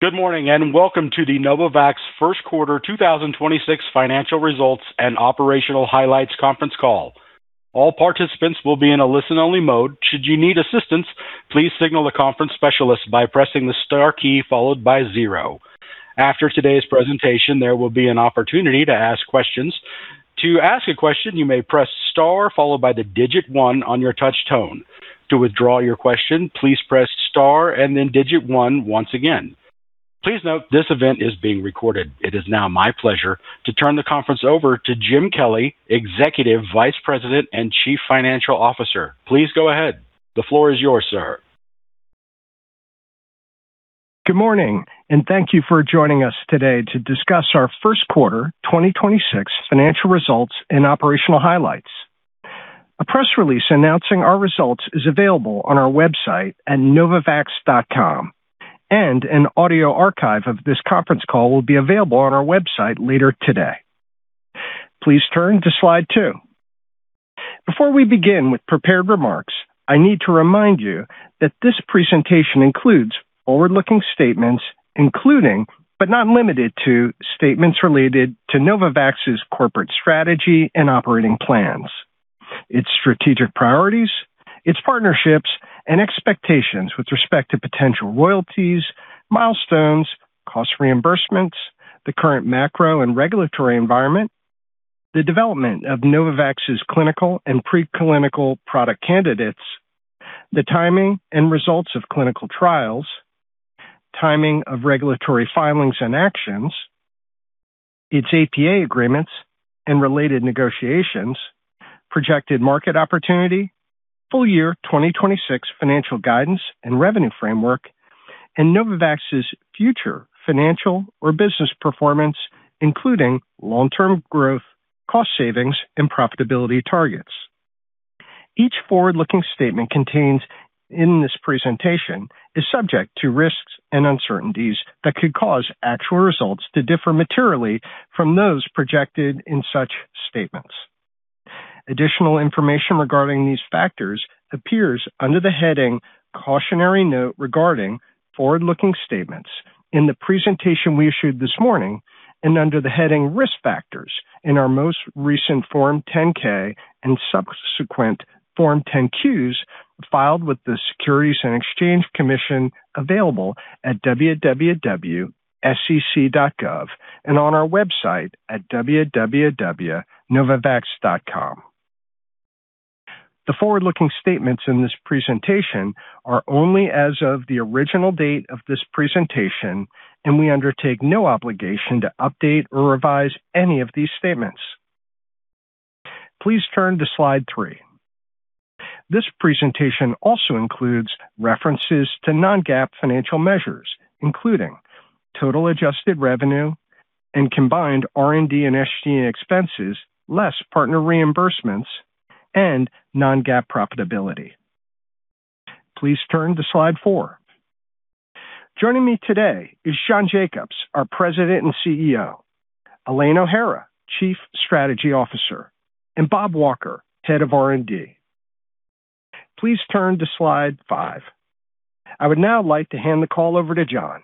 Good morning, welcome to the Novavax First Quarter 2026 Financial Results and Operational Highlights conference call. All participants will be in a listen-only mode. Should you need assistance, please signal the conference specialist by pressing the star key followed by zero. After today's presentation there will be an opportunity to ask questions. To ask a question, you may press the star followed by the digit one on your touch-tone. To withdraw your question, please press star and then digit one once again. Please note, this event is being recorded. It is now my pleasure to turn the conference over to Jim Kelly, Executive Vice President and Chief Financial Officer. Please go ahead. The floor is yours, sir. Good morning, and thank you for joining us today to discuss our First Quarter 2026 Financial Results and Operational Highlights. A press release announcing our results is available on our website at novavax.com. An audio archive of this conference call will be available on our website later today. Please turn to slide two. Before we begin with prepared remarks, I need to remind you that this presentation includes forward-looking statements, including, but not limited to, statements related to Novavax's corporate strategy and operating plans, its strategic priorities, its partnerships, and expectations with respect to potential royalties, milestones, cost reimbursements, the current macro and regulatory environment, the development of Novavax's clinical and preclinical product candidates, the timing and results of clinical trials, timing of regulatory filings and actions, its APA agreements and related negotiations, projected market opportunity, full year 2026 financial guidance and revenue framework, and Novavax's future financial or business performance, including long-term growth, cost savings, and profitability targets. Each forward-looking statement contained in this presentation is subject to risks and uncertainties that could cause actual results to differ materially from those projected in such statements. Additional information regarding these factors appears under the heading Cautionary Note Regarding Forward-Looking Statements in the presentation we issued this morning and under the heading Risk Factors in our most recent Form 10-K and subsequent Form 10-Qs filed with the Securities and Exchange Commission available at www.sec.gov and on our website at www.novavax.com. The forward-looking statements in this presentation are only as of the original date of this presentation, and we undertake no obligation to update or revise any of these statements. Please turn to slide three. This presentation also includes references to non-GAAP financial measures, including total adjusted revenue and combined R&D and SG&A expenses, less partner reimbursements and non-GAAP profitability. Please turn to slide four. Joining me today is John Jacobs, our President and CEO; Elaine O'Hara, Chief Strategy Officer; and Bob Walker, Head of R&D. Please turn to slide five. I would now like to hand the call over to John.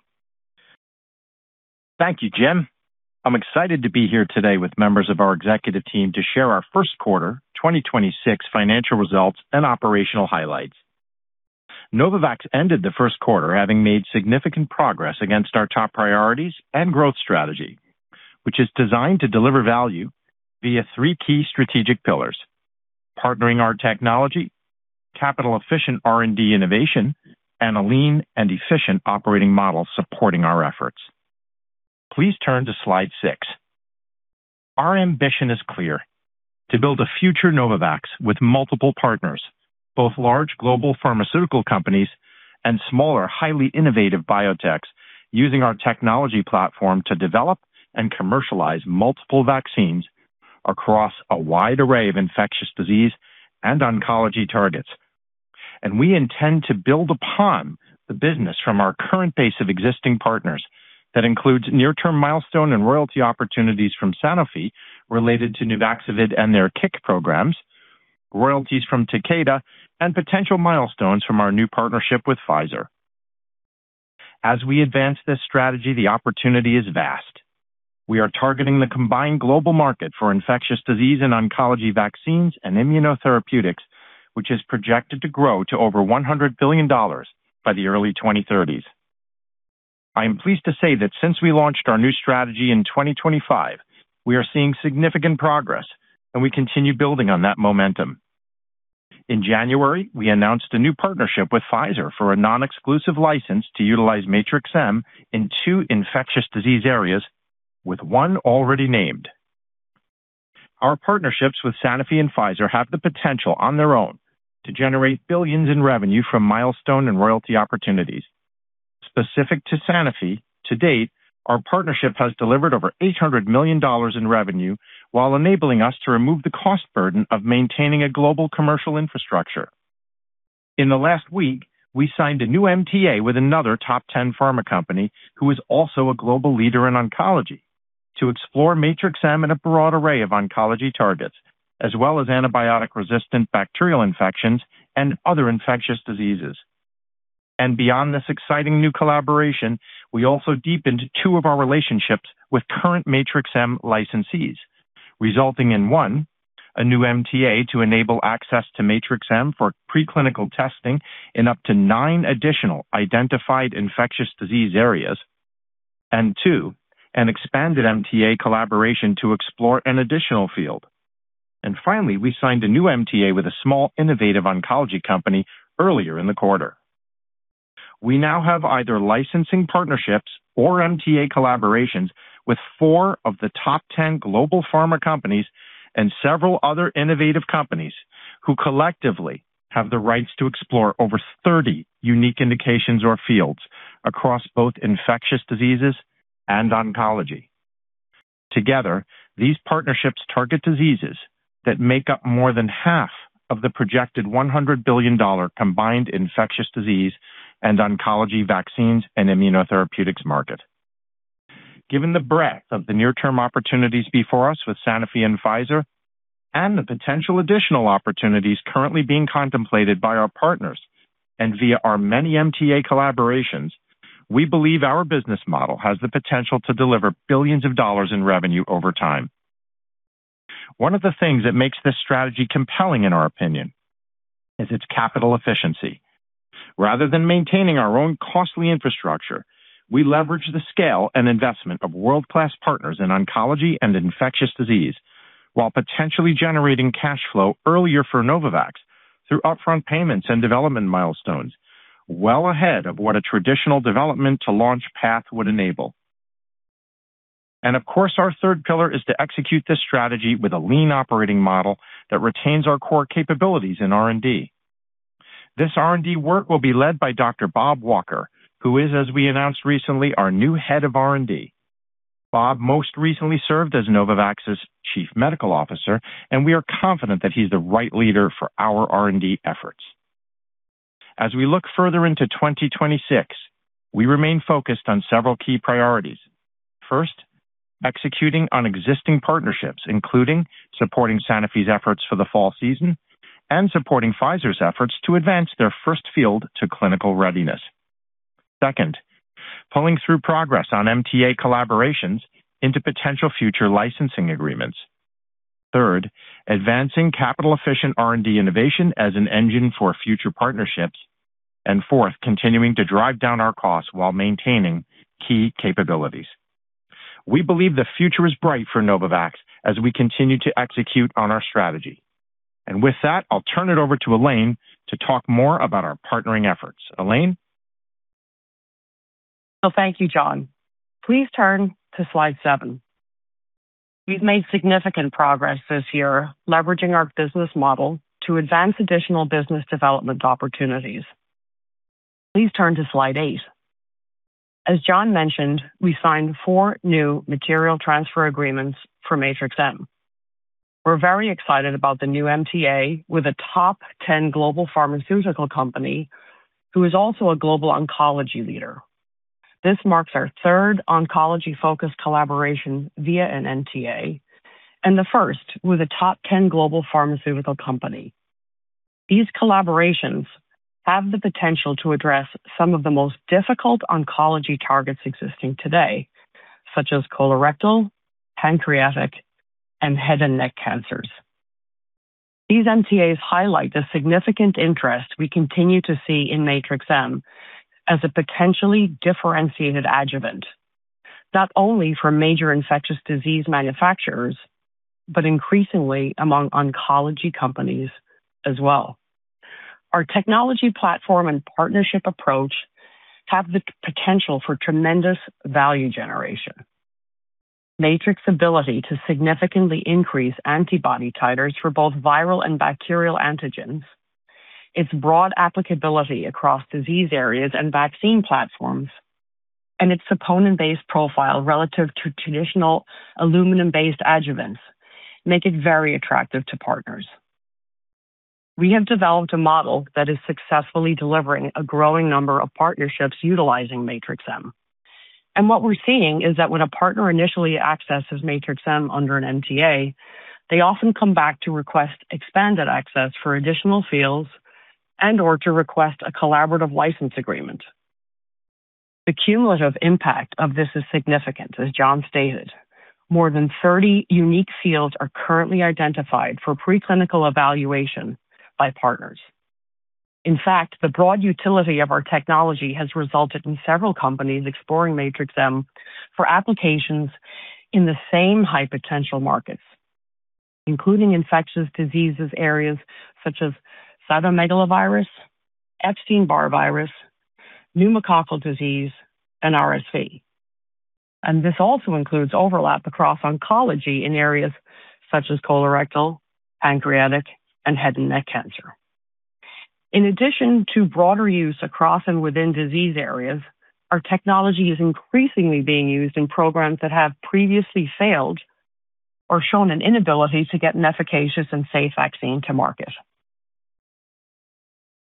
Thank you, Jim. I'm excited to be here today with members of our executive team to share our First Quarter 2026 Financial Results and Operational Highlights. Novavax ended the first quarter having made significant progress against our top priorities and growth strategy, which is designed to deliver value via three key strategic pillars: partnering our technology, capital-efficient R&D innovation, and a lean and efficient operating model supporting our efforts. Please turn to slide six. Our ambition is clear: to build a future Novavax with multiple partners, both large global pharmaceutical companies and smaller, highly innovative biotechs, using our technology platform to develop and commercialize multiple vaccines across a wide array of infectious disease and oncology targets. We intend to build upon the business from our current base of existing partners. That includes near-term milestone and royalty opportunities from Sanofi related to NUVAXOVID and their CIC programs, royalties from Takeda, and potential milestones from our new partnership with Pfizer. As we advance this strategy, the opportunity is vast. We are targeting the combined global market for infectious disease and oncology vaccines and immunotherapeutics, which is projected to grow to over $100 billion by the early 2030s. I am pleased to say that since we launched our new strategy in 2025, we are seeing significant progress, and we continue building on that momentum. In January, we announced a new partnership with Pfizer for a non-exclusive license to utilize Matrix-M in two infectious disease areas, with one already named. Our partnerships with Sanofi and Pfizer have the potential on their own to generate billions in revenue from milestone and royalty opportunities. Specific to Sanofi, to date, our partnership has delivered over $800 million in revenue while enabling us to remove the cost burden of maintaining a global commercial infrastructure. In the last week, we signed a new MTA with another top 10 pharma company who is also a global leader in oncology. To explore Matrix-M in a broad array of oncology targets, as well as antibiotic-resistant bacterial infections and other infectious diseases. Beyond this exciting new collaboration, we also deepened two of our relationships with current Matrix-M licensees, resulting in one, a new MTA to enable access to Matrix-M for preclinical testing in up to nine additional identified infectious disease areas, and two, an expanded MTA collaboration to explore an additional field. Finally, we signed a new MTA with a small innovative oncology company earlier in the quarter. We now have either licensing partnerships or MTA collaborations with four of the top 10 global pharma companies and several other innovative companies who collectively have the rights to explore over 30 unique indications or fields across both infectious diseases and oncology. Together, these partnerships target diseases that make up more than half of the projected $100 billion combined infectious disease and oncology vaccines and immunotherapeutics market. Given the breadth of the near-term opportunities before us with Sanofi and Pfizer, and the potential additional opportunities currently being contemplated by our partners and via our many MTA collaborations, we believe our business model has the potential to deliver billions of dollars in revenue over time. One of the things that makes this strategy compelling, in our opinion, is its capital efficiency. Rather than maintaining our own costly infrastructure, we leverage the scale and investment of world-class partners in oncology and infectious disease while potentially generating cash flow earlier for Novavax through upfront payments and development milestones well ahead of what a traditional development to launch path would enable. Of course, our third pillar is to execute this strategy with a lean operating model that retains our core capabilities in R&D. This R&D work will be led by Dr. Bob Walker, who is, as we announced recently, our new Head of R&D. Bob most recently served as Novavax's Chief Medical Officer. We are confident that he's the right leader for our R&D efforts. As we look further into 2026, we remain focused on several key priorities. First, executing on existing partnerships, including supporting Sanofi's efforts for the fall season and supporting Pfizer's efforts to advance their first field to clinical readiness. Second, pulling through progress on MTA collaborations into potential future licensing agreements. Third, advancing capital-efficient R&D innovation as an engine for future partnerships. Fourth, continuing to drive down our costs while maintaining key capabilities. We believe the future is bright for Novavax as we continue to execute on our strategy. With that, I'll turn it over to Elaine to talk more about our partnering efforts. Elaine? Thank you, John. Please turn to slide seven. We've made significant progress this year leveraging our business model to advance additional business development opportunities. Please turn to slide eight. As John mentioned, we signed four new material transfer agreements for Matrix-M. We're very excited about the new MTA with a top 10 global pharmaceutical company who is also a global oncology leader. This marks our third oncology-focused collaboration via an MTA, and the first with a top 10 global pharmaceutical company. These collaborations have the potential to address some of the most difficult oncology targets existing today, such as colorectal, pancreatic, and head and neck cancers. These MTAs highlight the significant interest we continue to see in Matrix-M as a potentially differentiated adjuvant, not only for major infectious disease manufacturers, but increasingly among oncology companies as well. Our technology platform and partnership approach have the potential for tremendous value generation. Matrix's ability to significantly increase antibody titers for both viral and bacterial antigens, its broad applicability across disease areas and vaccine platforms, and its saponin-based profile relative to traditional aluminum-based adjuvants make it very attractive to partners. We have developed a model that is successfully delivering a growing number of partnerships utilizing Matrix-M. What we're seeing is that when a partner initially accesses Matrix-M under an MTA, they often come back to request expanded access for additional fields and/or to request a collaborative license agreement. The cumulative impact of this is significant, as John stated. More than 30 unique fields are currently identified for preclinical evaluation by partners. In fact, the broad utility of our technology has resulted in several companies exploring Matrix-M for applications in the same high-potential markets, including infectious diseases areas such as cytomegalovirus, Epstein-Barr virus, pneumococcal disease, and RSV. This also includes overlap across oncology in areas such as colorectal, pancreatic, and head and neck cancer. In addition to broader use across and within disease areas, our technology is increasingly being used in programs that have previously failed or shown an inability to get an efficacious and safe vaccine to market.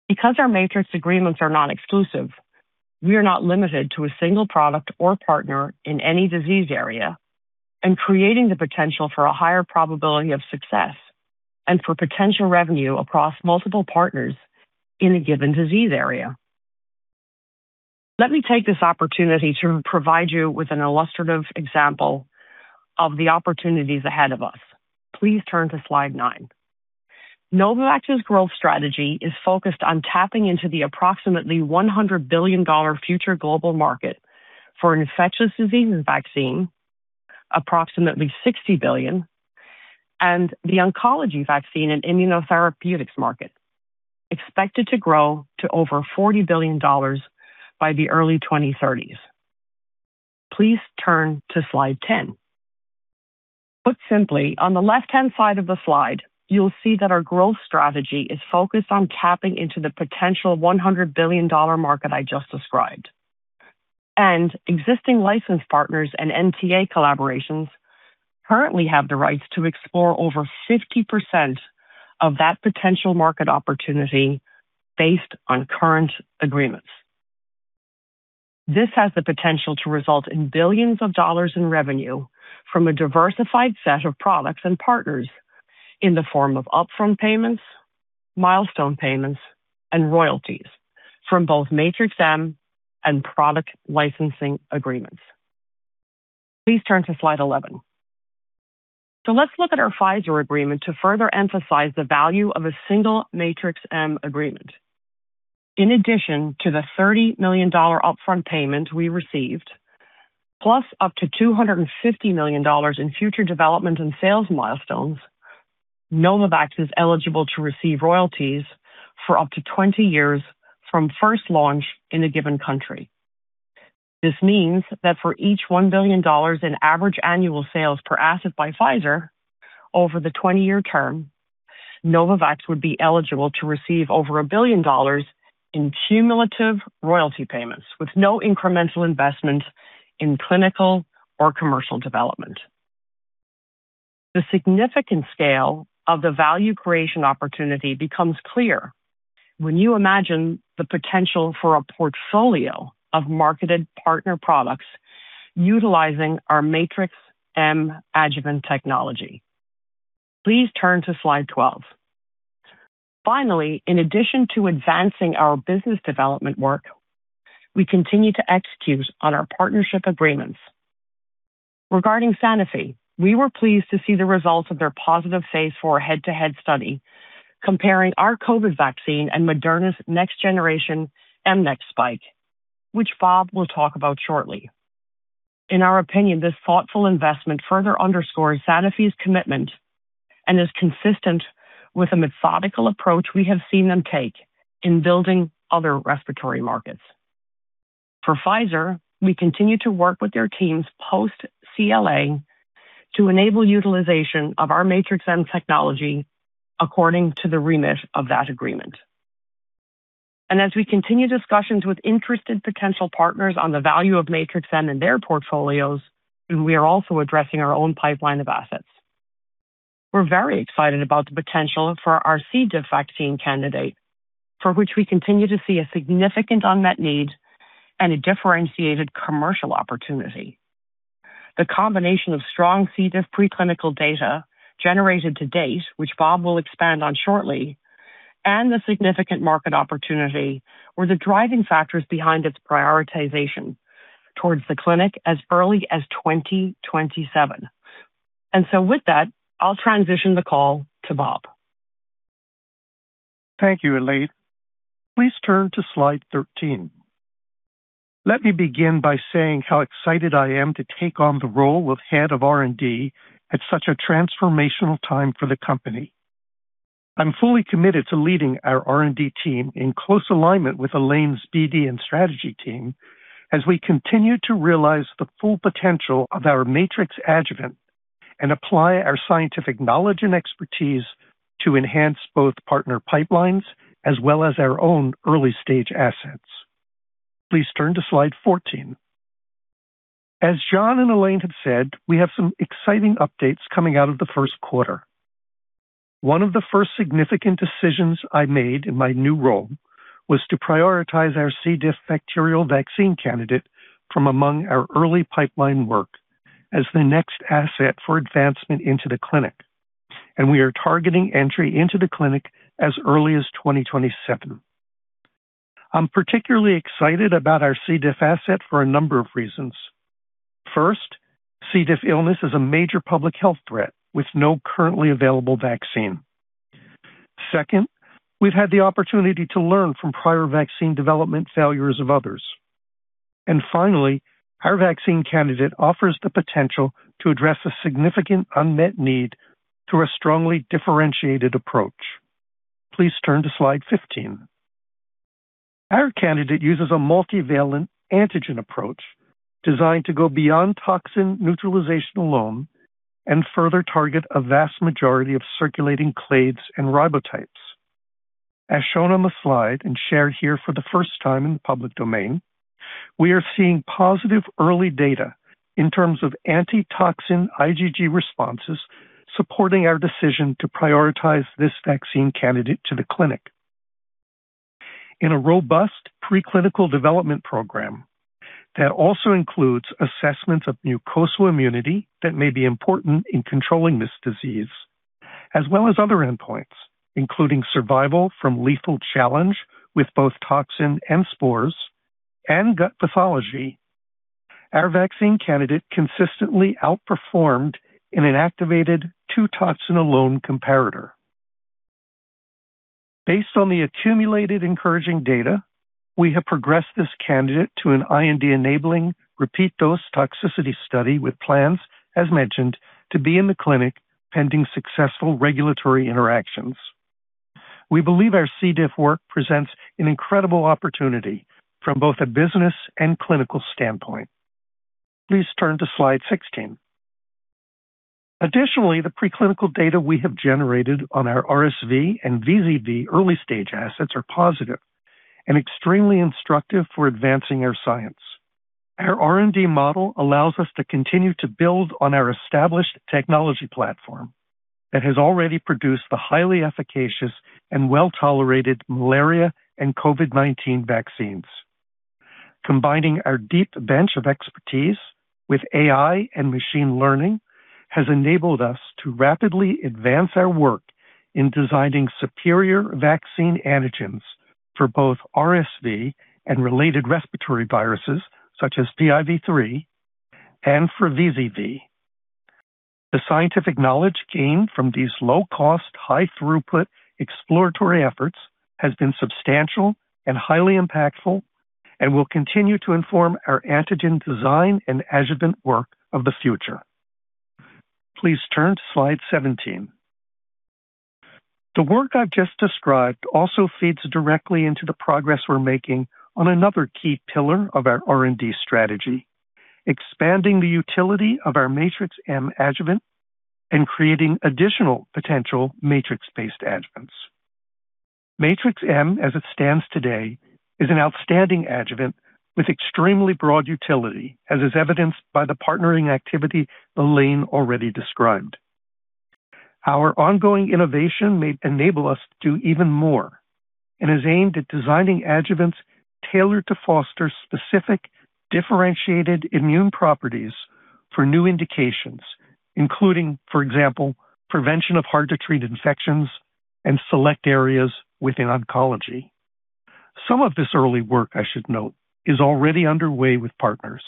Because our Matrix agreements are non-exclusive, we are not limited to a single product or partner in any disease area and creating the potential for a higher probability of success and for potential revenue across multiple partners in a given disease area. Let me take this opportunity to provide you with an illustrative example of the opportunities ahead of us. Please turn to slide nine. Novavax's growth strategy is focused on tapping into the approximately $100 billion future global market for infectious diseases vaccine, approximately $60 billion, and the oncology vaccine and immunotherapeutics market, expected to grow to over $40 billion by the early 2030s. Please turn to slide 10. Put simply, on the left-hand side of the slide, you'll see that our growth strategy is focused on tapping into the potential $100 billion market I just described. Existing license partners and MTA collaborations currently have the rights to explore over 50% of that potential market opportunity based on current agreements. This has the potential to result in billions of dollars in revenue from a diversified set of products and partners in the form of upfront payments, milestone payments, and royalties from both Matrix-M and product licensing agreements. Please turn to slide 11. Let's look at our Pfizer agreement to further emphasize the value of a single Matrix-M agreement. In addition to the $30 million upfront payment we received, plus up to $250 million in future development and sales milestones, Novavax is eligible to receive royalties for up to 20 years from first launch in a given country. This means that for each $1 billion in average annual sales per asset by Pfizer over the 20-year term, Novavax would be eligible to receive over $1 billion in cumulative royalty payments with no incremental investment in clinical or commercial development. The significant scale of the value creation opportunity becomes clear when you imagine the potential for a portfolio of marketed partner products utilizing our Matrix-M adjuvant technology. Please turn to slide 12. Finally, in addition to advancing our business development work, we continue to execute on our partnership agreements. Regarding Sanofi, we were pleased to see the results of their positive phase IV head-to-head study comparing our COVID-19 vaccine and Moderna's next-generation mNEXSPIKE, which Bob will talk about shortly. In our opinion, this thoughtful investment further underscores Sanofi's commitment and is consistent with a methodical approach we have seen them take in building other respiratory markets. For Pfizer, we continue to work with their teams post-CLA to enable utilization of our Matrix-M technology according to the remit of that agreement. As we continue discussions with interested potential partners on the value of Matrix-M in their portfolios, we are also addressing our own pipeline of assets. We're very excited about the potential for our C. diff vaccine candidate, for which we continue to see a significant unmet need and a differentiated commercial opportunity. The combination of strong C. diff preclinical data generated to date, which Bob will expand on shortly, and the significant market opportunity were the driving factors behind its prioritization towards the clinic as early as 2027. With that, I'll transition the call to Bob. Thank you, Elaine. Please turn to slide 13. Let me begin by saying how excited I am to take on the role of Head of R&D at such a transformational time for the company. I'm fully committed to leading our R&D team in close alignment with Elaine's BD and strategy team as we continue to realize the full potential of our Matrix adjuvant and apply our scientific knowledge and expertise to enhance both partner pipelines as well as our own early-stage assets. Please turn to slide 14. As John and Elaine have said, we have some exciting updates coming out of the first quarter. One of the 1st significant decisions I made in my new role was to prioritize our C. diff bacterial vaccine candidate from among our early pipeline work as the next asset for advancement into the clinic. We are targeting entry into the clinic as early as 2027. I'm particularly excited about our C. diff asset for a number of reasons. First, C. diff illness is a major public health threat with no currently available vaccine. Second, we've had the opportunity to learn from prior vaccine development failures of others. Finally, our vaccine candidate offers the potential to address a significant unmet need through a strongly differentiated approach. Please turn to slide 15. Our candidate uses a multivalent antigen approach designed to go beyond toxin neutralization alone and further target a vast majority of circulating clades and ribotypes. As shown on the slide and shared here for the first time in the public domain. We are seeing positive early data in terms of anti-toxin IgG responses supporting our decision to prioritize this vaccine candidate to the clinic. In a robust preclinical development program that also includes assessment of mucosal immunity that may be important in controlling this disease, as well as other endpoints, including survival from lethal challenge with both toxin and spores and gut pathology. Our vaccine candidate consistently outperformed an inactivated two toxin alone comparator. Based on the accumulated encouraging data, we have progressed this candidate to an IND-enabling repeat dose toxicity study with plans, as mentioned, to be in the clinic pending successful regulatory interactions. We believe our C. diff work presents an incredible opportunity from both a business and clinical standpoint. Please turn to slide 16. Additionally, the preclinical data we have generated on our RSV and VZV early-stage assets are positive and extremely instructive for advancing our science. Our R&D model allows us to continue to build on our established technology platform that has already produced the highly efficacious and well-tolerated malaria and COVID-19 vaccines. Combining our deep bench of expertise with AI and machine learning has enabled us to rapidly advance our work in designing superior vaccine antigens for both RSV and related respiratory viruses such as HPIV-3 and for VZV. The scientific knowledge gained from these low cost, high throughput exploratory efforts has been substantial and highly impactful and will continue to inform our antigen design and adjuvant work of the future. Please turn to slide 17. The work I've just described also feeds directly into the progress we're making on another key pillar of our R&D strategy, expanding the utility of our Matrix-M adjuvant and creating additional potential matrix-based adjuvants. Matrix-M, as it stands today, is an outstanding adjuvant with extremely broad utility, as is evidenced by the partnering activity Elaine already described. Our ongoing innovation may enable us to do even more and is aimed at designing adjuvants tailored to foster specific differentiated immune properties for new indications, including, for example, prevention of hard-to-treat infections and select areas within oncology. Some of this early work, I should note, is already underway with partners,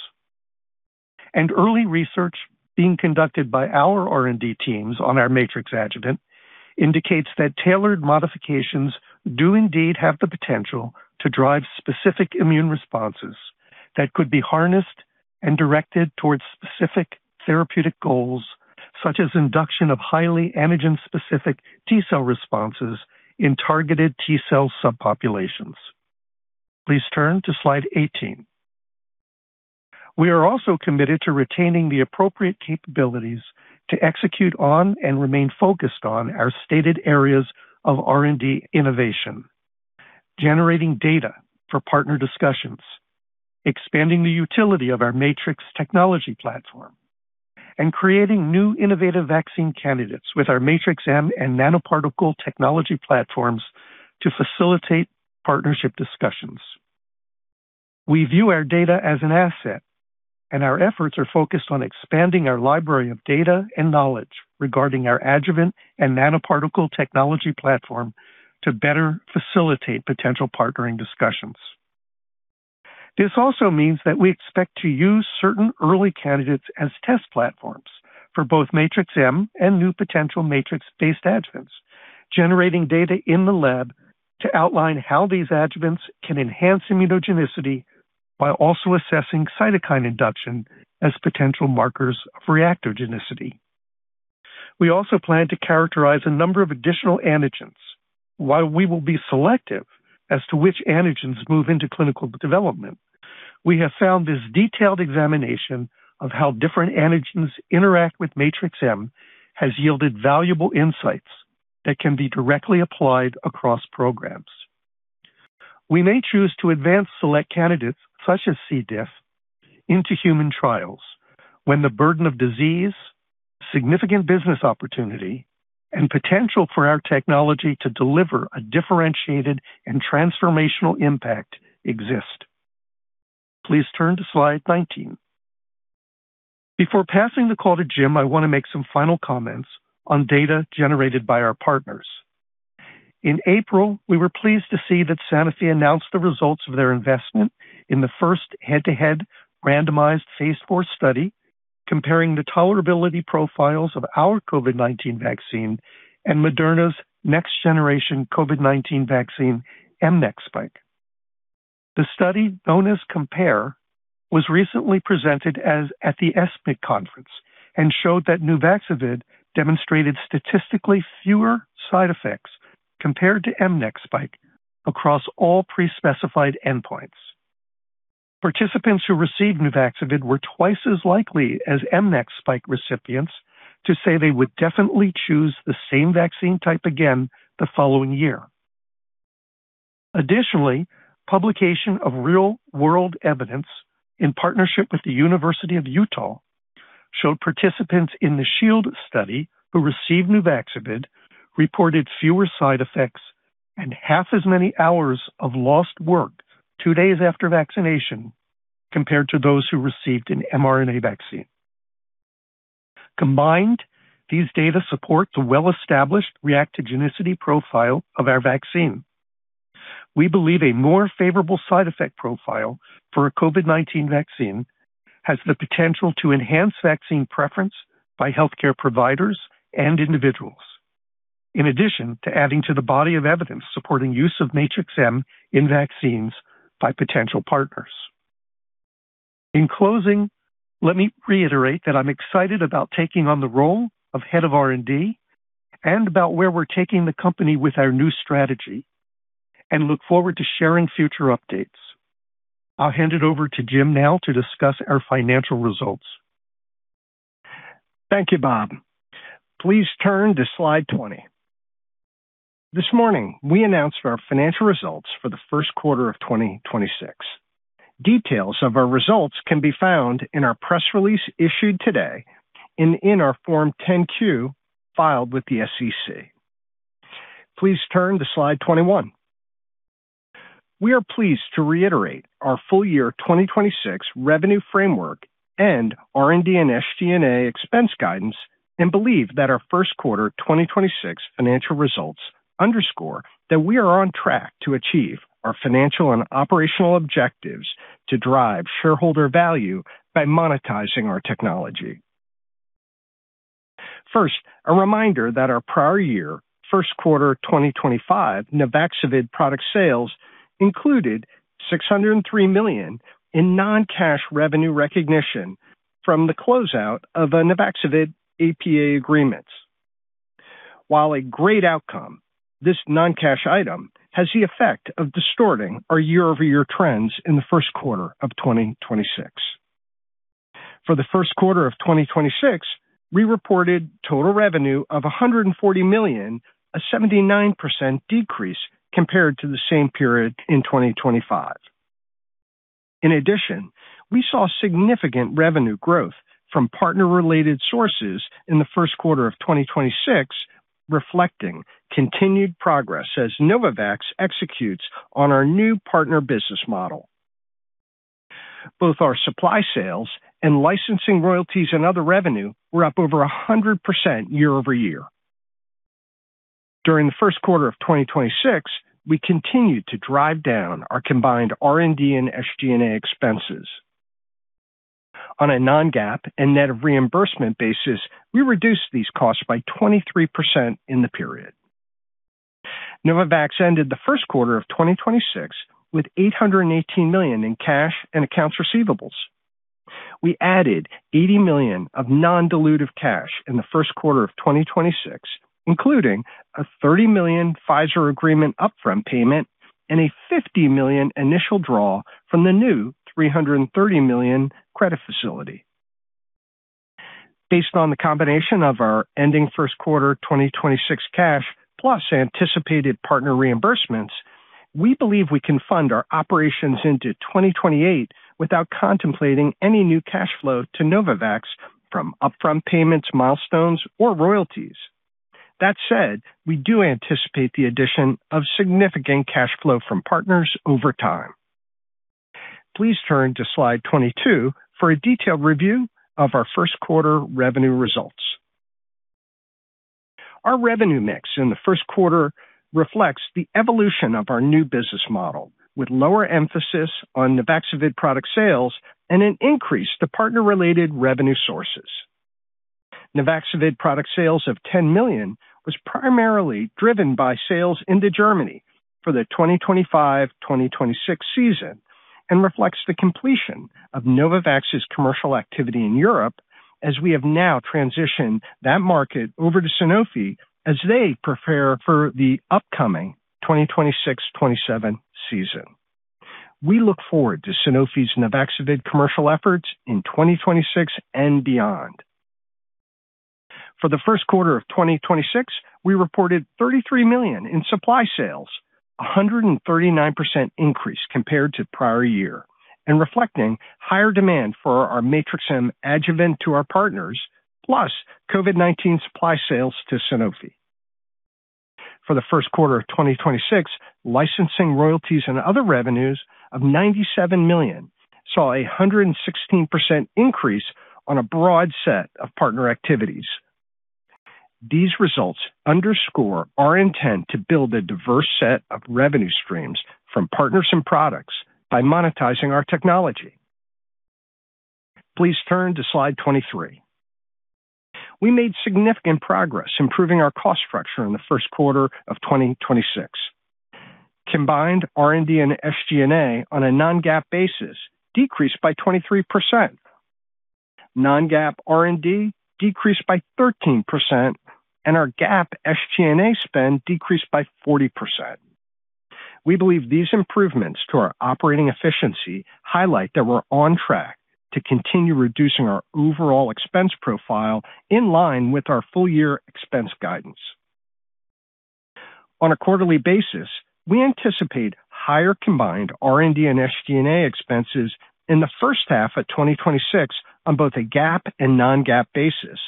and early research being conducted by our R&D teams on our matrix adjuvant indicates that tailored modifications do indeed have the potential to drive specific immune responses that could be harnessed and directed towards specific therapeutic goals, such as induction of highly antigen-specific T cell responses in targeted T cell subpopulations. Please turn to slide 18. We are also committed to retaining the appropriate capabilities to execute on and remain focused on our stated areas of R&D innovation, generating data for partner discussions, expanding the utility of our matrix technology platform, and creating new innovative vaccine candidates with our Matrix-M and nanoparticle technology platforms to facilitate partnership discussions. We view our data as an asset, our efforts are focused on expanding our library of data and knowledge regarding our adjuvant and nanoparticle technology platform to better facilitate potential partnering discussions. This also means that we expect to use certain early candidates as test platforms for both Matrix-M and new potential matrix-based adjuvants, generating data in the lab to outline how these adjuvants can enhance immunogenicity while also assessing cytokine induction as potential markers of reactogenicity. We also plan to characterize a number of additional antigens. While we will be selective as to which antigens move into clinical development, we have found this detailed examination of how different antigens interact with Matrix-M has yielded valuable insights that can be directly applied across programs. We may choose to advance select candidates such as C. diff into human trials when the burden of disease, significant business opportunity, and potential for our technology to deliver a differentiated and transformational impact exist. Please turn to slide 19. Before passing the call to Jim, I want to make some final comments on data generated by our partners. In April, we were pleased to see that Sanofi announced the results of their investment in the first head-to-head randomized phase IV study comparing the tolerability profiles of our COVID-19 vaccine and Moderna's next generation COVID-19 vaccine, mNEXSPIKE. The study, known as COMPARE, was recently presented at the ESPID conference and showed that NUVAXOVID demonstrated statistically fewer side effects compared to mNEXSPIKE across all pre-specified endpoints. Participants who received NUVAXOVID were twice as likely as mNEXSPIKE recipients to say they would definitely choose the same vaccine type again the following year. Additionally, publication of real-world evidence in partnership with the University of Utah showed participants in the SHIELD study who received NUVAXOVID reported fewer side effects and half as many hours of lost work two days after vaccination compared to those who received an mRNA vaccine. Combined, these data support the well-established reactogenicity profile of our vaccine. We believe a more favorable side effect profile for a COVID-19 vaccine has the potential to enhance vaccine preference by healthcare providers and individuals, in addition to adding to the body of evidence supporting use of Matrix-M in vaccines by potential partners. In closing, let me reiterate that I'm excited about taking on the role of head of R&D and about where we're taking the company with our new strategy and look forward to sharing future updates. I'll hand it over to Jim now to discuss our financial results. Thank you, Bob. Please turn to slide 20. This morning, we announced our financial results for the first quarter of 2026. Details of our results can be found in our press release issued today and in our Form 10-Q filed with the SEC. Please turn to slide 21. We are pleased to reiterate our full-year 2026 revenue framework and R&D and SG&A expense guidance and believe that our first quarter 2026 financial results underscore that we are on track to achieve our financial and operational objectives to drive shareholder value by monetizing our technology. First, a reminder that our prior year first quarter 2025 NUVAXOVID product sales included $603 million in non-cash revenue recognition from the closeout of a NUVAXOVID APA agreements. While a great outcome, this non-cash item has the effect of distorting our year-over-year trends in the first quarter of 2026. For the first quarter of 2026, we reported total revenue of $140 million, a 79% decrease compared to the same period in 2025. In addition, we saw significant revenue growth from partner-related sources in the first quarter of 2026, reflecting continued progress as Novavax executes on our new partner business model. Both our Supply Sales and Licensing Royalties and Other Revenue were up over 100% year-over-year. During the first quarter of 2026, we continued to drive down our combined R&D and SG&A expenses. On a non-GAAP and net of reimbursement basis, we reduced these costs by 23% in the period. Novavax ended the first quarter of 2026 with $818 million in cash and accounts receivables. We added $80 million of non-dilutive cash in the first quarter of 2026, including a $30 million Pfizer agreement upfront payment and a $50 million initial draw from the new $330 million credit facility. Based on the combination of our ending first quarter 2026 cash plus anticipated partner reimbursements, we believe we can fund our operations into 2028 without contemplating any new cash flow to Novavax from upfront payments, milestones, or royalties. That said, we do anticipate the addition of significant cash flow from partners over time. Please turn to slide 22 for a detailed review of our first quarter revenue results. Our revenue mix in the first quarter reflects the evolution of our new business model with lower emphasis on NUVAXOVID product sales and an increase to partner-related revenue sources. NUVAXOVID product sales of $10 million was primarily driven by sales into Germany for the 2025-2026 season and reflects the completion of Novavax's commercial activity in Europe as we have now transitioned that market over to Sanofi as they prepare for the upcoming 2026-2027 season. We look forward to Sanofi's NUVAXOVID commercial efforts in 2026 and beyond. For the first quarter of 2026, we reported $33 million in Supply Sales, a 139% increase compared to prior year and reflecting higher demand for our Matrix-M adjuvant to our partners plus COVID-19 Supply Sales to Sanofi. For the first quarter of 2026, licensing royalties and other revenues of $97 million saw a 116% increase on a broad set of partner activities. These results underscore our intent to build a diverse set of revenue streams from partners and products by monetizing our technology. Please turn to slide 23. We made significant progress improving our cost structure in the first quarter of 2026. Combined R&D and SG&A on a non-GAAP basis decreased by 23%. Non-GAAP R&D decreased by 13%, and our GAAP SG&A spend decreased by 40%. We believe these improvements to our operating efficiency highlight that we're on track to continue reducing our overall expense profile in line with our full-year expense guidance. On a quarterly basis, we anticipate higher combined R&D and SG&A expenses in the first half of 2026 on both a GAAP and non-GAAP basis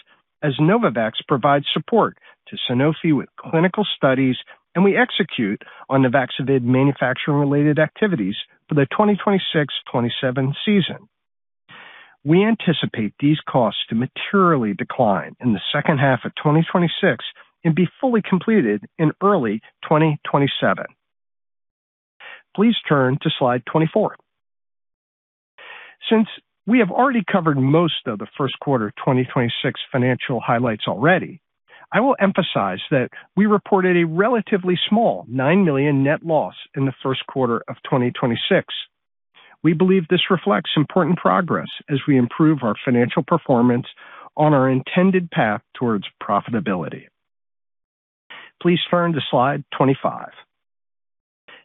as Novavax provides support to Sanofi with clinical studies, and we execute on the NUVAXOVID manufacturing-related activities for the 2026, 2027 season. We anticipate these costs to materially decline in the second half of 2026 and be fully completed in early 2027. Please turn to slide 24. Since we have already covered most of the first quarter of 2026 financial highlights already, I will emphasize that we reported a relatively small $9 million net loss in the first quarter of 2026. We believe this reflects important progress as we improve our financial performance on our intended path towards profitability. Please turn to slide 25.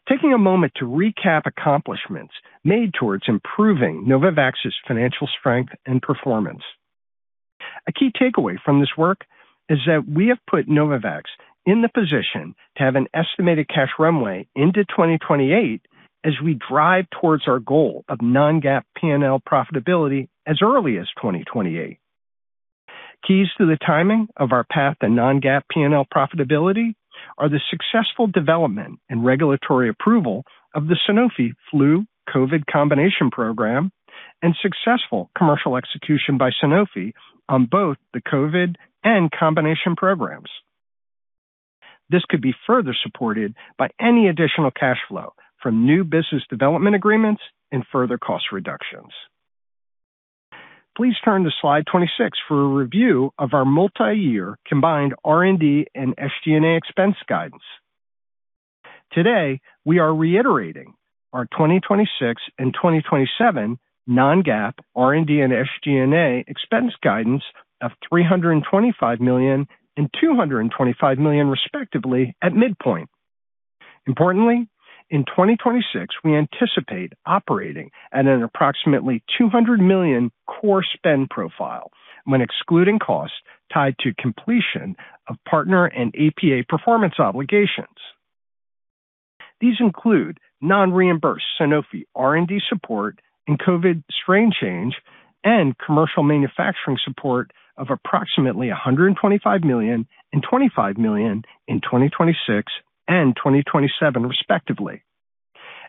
Taking a moment to recap accomplishments made towards improving Novavax's financial strength and performance. A key takeaway from this work is that we have put Novavax in the position to have an estimated cash runway into 2028 as we drive towards our goal of non-GAAP P&L profitability as early as 2028. Keys to the timing of our path to non-GAAP P&L profitability are the successful development and regulatory approval of the Sanofi flu COVID-19 combination program and successful commercial execution by Sanofi on both the COVID-19 and combination programs. This could be further supported by any additional cash flow from new business development agreements and further cost reductions. Please turn to slide 26 for a review of our multi-year combined R&D and SG&A expense guidance. Today, we are reiterating our 2026 and 2027 non-GAAP R&D and SG&A expense guidance of $325 million and $225 million, respectively, at midpoint. Importantly, in 2026, we anticipate operating at an approximately $200 million core spend profile when excluding costs tied to completion of partner and APA performance obligations. These include non-reimbursed Sanofi R&D support in COVID strain change and commercial manufacturing support of approximately $125 million and $25 million in 2026 and 2027, respectively.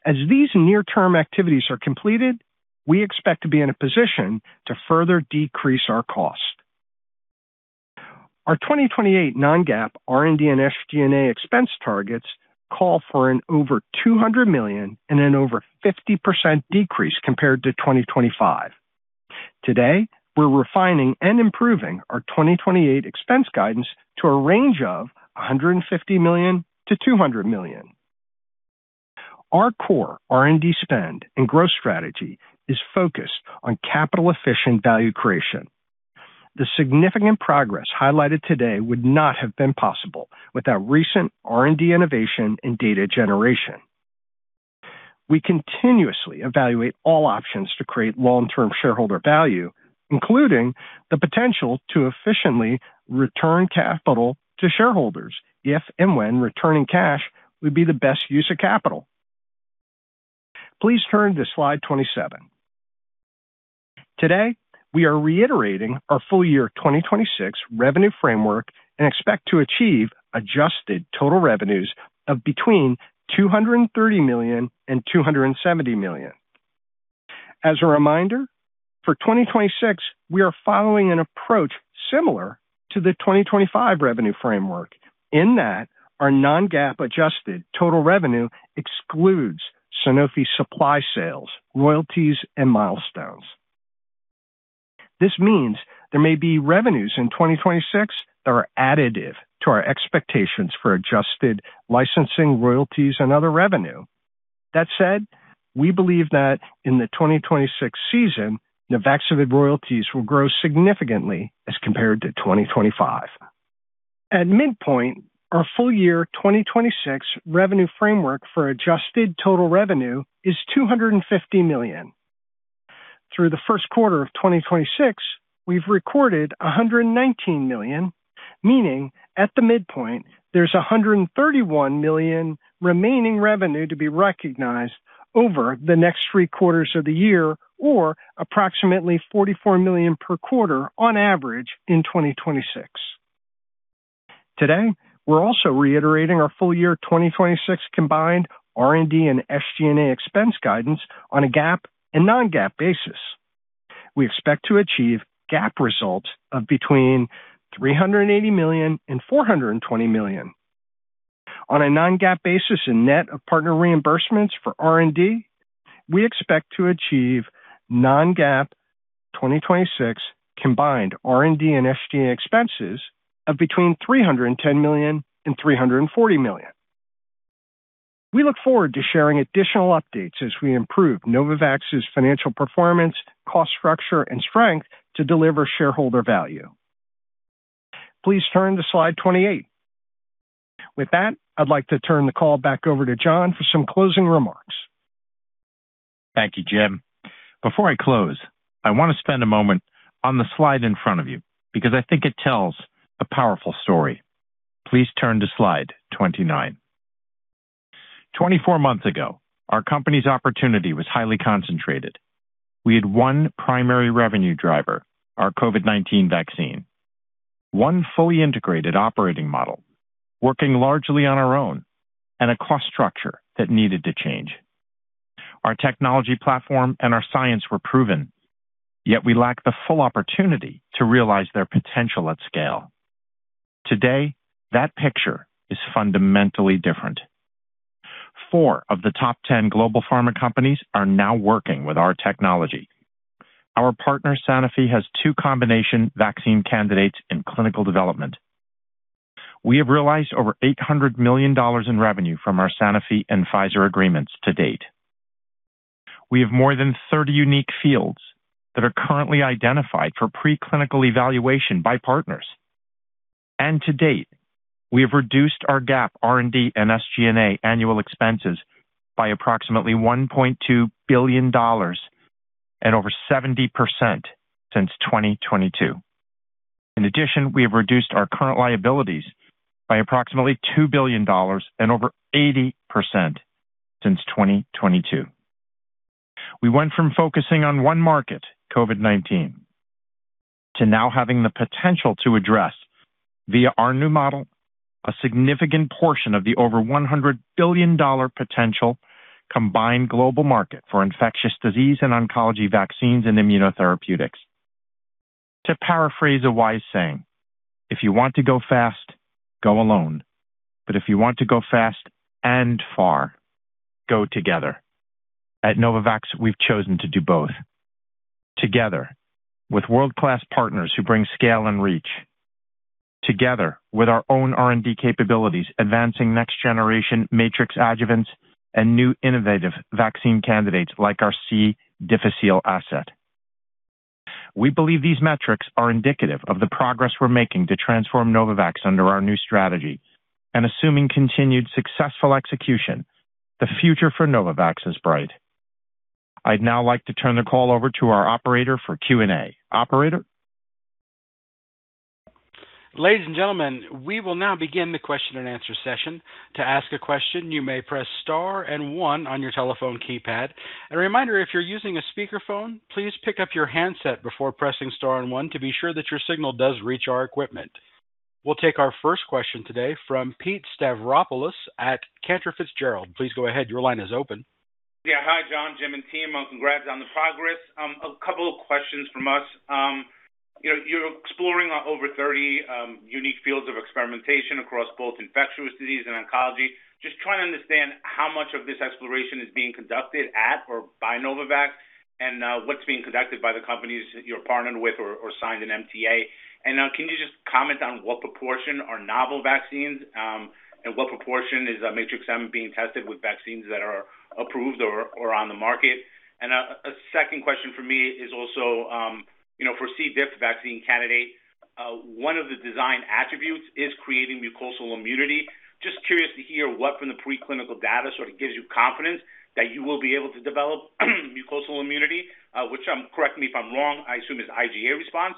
As these near-term activities are completed, we expect to be in a position to further decrease our cost. Our 2028 non-GAAP R&D and SG&A expense targets call for an over $200 million and an over 50% decrease compared to 2025. Today, we're refining and improving our 2028 expense guidance to a range of $150 million-$200 million. Our core R&D spend and growth strategy is focused on capital-efficient value creation. The significant progress highlighted today would not have been possible without recent R&D innovation and data generation. We continuously evaluate all options to create long-term shareholder value, including the potential to efficiently return capital to shareholders if and when returning cash would be the best use of capital. Please turn to slide 27. Today, we are reiterating our full-year 2026 revenue framework and expect to achieve adjusted total revenues of between $230 million and $270 million. As a reminder, for 2026, we are following an approach similar to the 2025 revenue framework in that our non-GAAP adjusted total revenue excludes Sanofi Supply Sales, Royalties, and Milestones. This means there may be revenues in 2026 that are additive to our expectations for adjusted licensing royalties and other revenue. That said, we believe that in the 2026 season, NUVAXOVID royalties will grow significantly as compared to 2025. At midpoint, our full-year 2026 revenue framework for adjusted total revenue is $250 million. Through the first quarter of 2026, we've recorded $119 million, meaning at the midpoint, there's $131 million remaining revenue to be recognized over the next three quarters of the year or approximately $44 million per quarter on average in 2026. Today, we're also reiterating our full-year 2026 combined R&D and SG&A expense guidance on a GAAP and non-GAAP basis. We expect to achieve GAAP results of between $380 million and $420 million. On a non-GAAP basis and net of partner reimbursements for R&D, we expect to achieve non-GAAP 2026 combined R&D and SG&A expenses of between $310 million and $340 million. We look forward to sharing additional updates as we improve Novavax's financial performance, cost structure, and strength to deliver shareholder value. Please turn to slide 28. With that, I'd like to turn the call back over to John for some closing remarks. Thank you, Jim. Before I close, I want to spend a moment on the slide in front of you because I think it tells a powerful story. Please turn to slide 29. 24 months ago, our company's opportunity was highly concentrated. We had 1 primary revenue driver, our COVID-19 vaccine. 1 fully integrated operating model working largely on our own, and a cost structure that needed to change. Our technology platform and our science were proven, yet we lacked the full opportunity to realize their potential at scale. Today, that picture is fundamentally different. 4 of the top 10 global pharma companies are now working with our technology. Our partner, Sanofi, has 2 combination vaccine candidates in clinical development. We have realized over $800 million in revenue from our Sanofi and Pfizer agreements to date. We have more than 30 unique fields that are currently identified for preclinical evaluation by partners. To date, we have reduced our GAAP R&D and SG&A annual expenses by approximately $1.2 billion and over 70% since 2022. In addition, we have reduced our current liabilities by approximately $2 billion and over 80% since 2022. We went from focusing on one market, COVID-19, to now having the potential to address, via our new model, a significant portion of the over $100 billion potential combined global market for infectious disease and oncology vaccines and immunotherapeutics. To paraphrase a wise saying, "If you want to go fast, go alone. But if you want to go fast and far, go together." At Novavax, we've chosen to do both. Together with world-class partners who bring scale and reach. Together with our own R&D capabilities, advancing next-generation matrix adjuvants and new innovative vaccine candidates like our C. difficile asset. We believe these metrics are indicative of the progress we're making to transform Novavax under our new strategy. Assuming continued successful execution, the future for Novavax is bright. I'd now like to turn the call over to our operator for Q&A. Operator? Ladies and gentlemen, we will now begin the question and answer session. To ask a question, you may press star and one on your telephone keypad. A reminder, if you're using a speakerphone, please pick up your handset before pressing star and one to be sure that your signal does reach our equipment. We'll take our first question today from Pete Stavropoulos at Cantor Fitzgerald. Please go ahead. Your line is open. Yeah. Hi, John, Jim, and team. Congrats on the progress. A couple of questions from us. You know, you're exploring over 30 unique fields of experimentation across both infectious disease and oncology. Just trying to understand how much of this exploration is being conducted at or by Novavax and what's being conducted by the companies you're partnered with or signed an MTA. Can you just comment on what proportion are novel vaccines and what proportion is Matrix-M being tested with vaccines that are approved or on the market? A second question for me is also, you know, for C. diff vaccine candidate, one of the design attributes is creating mucosal immunity. Just curious to hear what from the preclinical data sort of gives you confidence that you will be able to develop mucosal immunity, which correct me if I'm wrong, I assume is IgA response,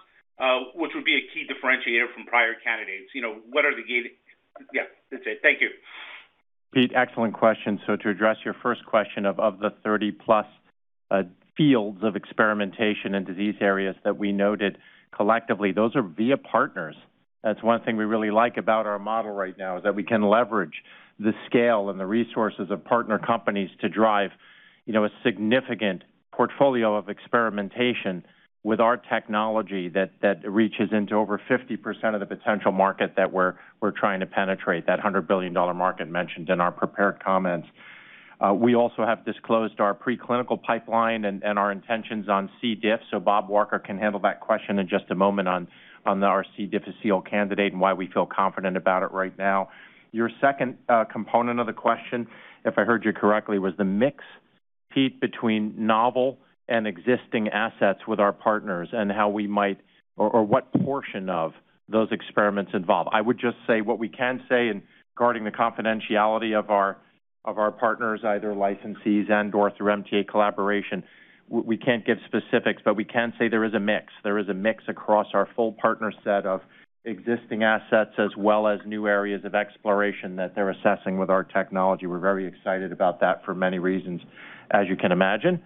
which would be a key differentiator from prior candidates. You know, what are the gate? Yeah, that's it. Thank you. Pete, excellent question. To address your first question, of the 30-plus fields of experimentation and disease areas that we noted collectively, those are via partners. That's 1 thing we really like about our model right now, is that we can leverage the scale and the resources of partner companies to drive, you know, a significant portfolio of experimentation with our technology that reaches into over 50% of the potential market that we're trying to penetrate, that $100 billion market mentioned in our prepared comments. We also have disclosed our preclinical pipeline and our intentions on C. diff. Bob Walker can handle that question in just a moment on our C. difficile candidate and why we feel confident about it right now. Your second component of the question, if I heard you correctly, was the mix, Pete, between novel and existing assets with our partners and how we might or what portion of those experiments involve. I would just say what we can say in guarding the confidentiality of our partners, either licensees and/or through MTA collaboration. We can't give specifics, but we can say there is a mix. There is a mix across our full partner set of existing assets as well as new areas of exploration that they're assessing with our technology. We're very excited about that for many reasons, as you can imagine.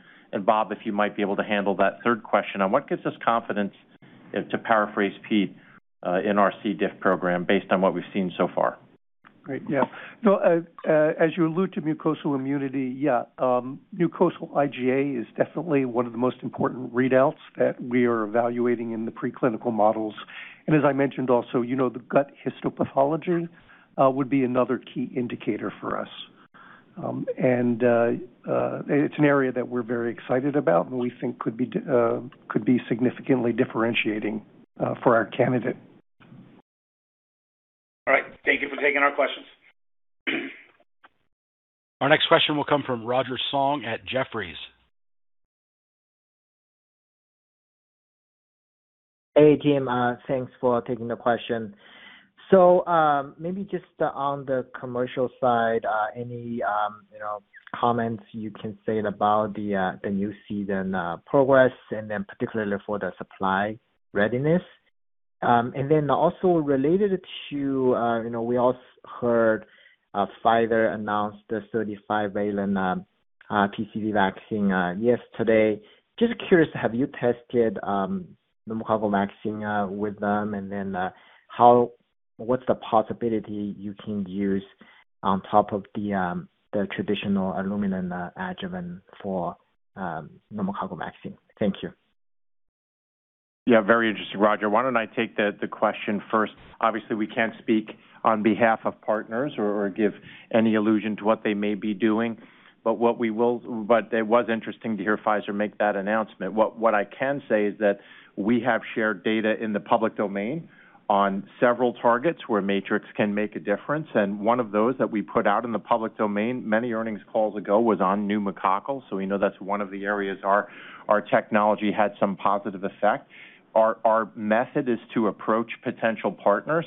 Bob, if you might be able to handle that third question on what gives us confidence, to paraphrase Pete, in our C. diff program based on what we've seen so far. Great. No, as you allude to mucosal immunity, mucosal IgA is definitely one of the most important readouts that we are evaluating in the preclinical models. As I mentioned also, you know, the gut histopathology would be another key indicator for us. It's an area that we're very excited about and we think could be significantly differentiating for our candidate. All right. Thank you for taking our questions. Our next question will come from Roger Song at Jefferies. Hey, team. Thanks for taking the question. Maybe just on the commercial side, any, you know, comments you can say about the new season, progress and then particularly for the supply readiness. Also related to, you know, we heard Pfizer announce the 35 valent PCV vaccine yesterday. Just curious, have you tested the pneumococcal vaccine with them? What's the possibility you can use on top of the traditional aluminum adjuvant for pneumococcal vaccine? Thank you. Yeah, very interesting, Roger. Why don't I take the question first. Obviously, we can't speak on behalf of partners or give any allusion to what they may be doing, but it was interesting to hear Pfizer make that announcement. What I can say is that we have shared data in the public domain on several targets where Matrix can make a difference. One of those that we put out in the public domain many earnings calls ago was on pneumococcal. We know that's one of the areas our technology had some positive effect. Our method is to approach potential partners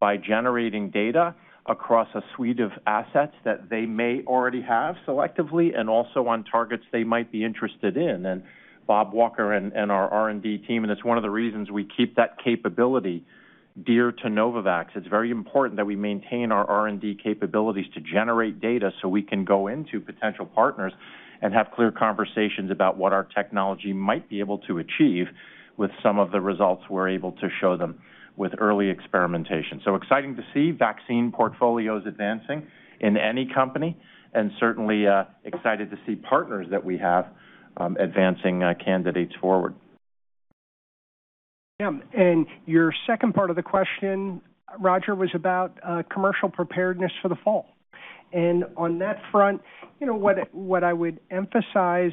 by generating data across a suite of assets that they may already have selectively and also on targets they might be interested in. Bob Walker and our R&D team, it's one of the reasons we keep that capability dear to Novavax. It's very important that we maintain our R&D capabilities to generate data, so we can go into potential partners and have clear conversations about what our technology might be able to achieve with some of the results we're able to show them with early experimentation. Exciting to see vaccine portfolios advancing in any company and certainly excited to see partners that we have advancing candidates forward. Your second part of the question, Roger Song, was about commercial preparedness for the fall. On that front, you know, what I would emphasize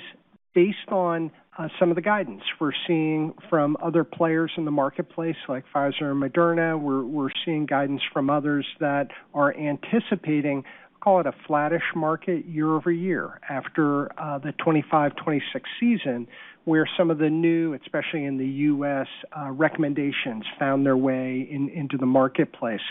based on some of the guidance we're seeing from other players in the marketplace like Pfizer and Moderna. We're seeing guidance from others that are anticipating, call it a flattish market year-over-year after the 2025, 2026 season, where some of the new, especially in the U.S., recommendations found their way into the marketplace.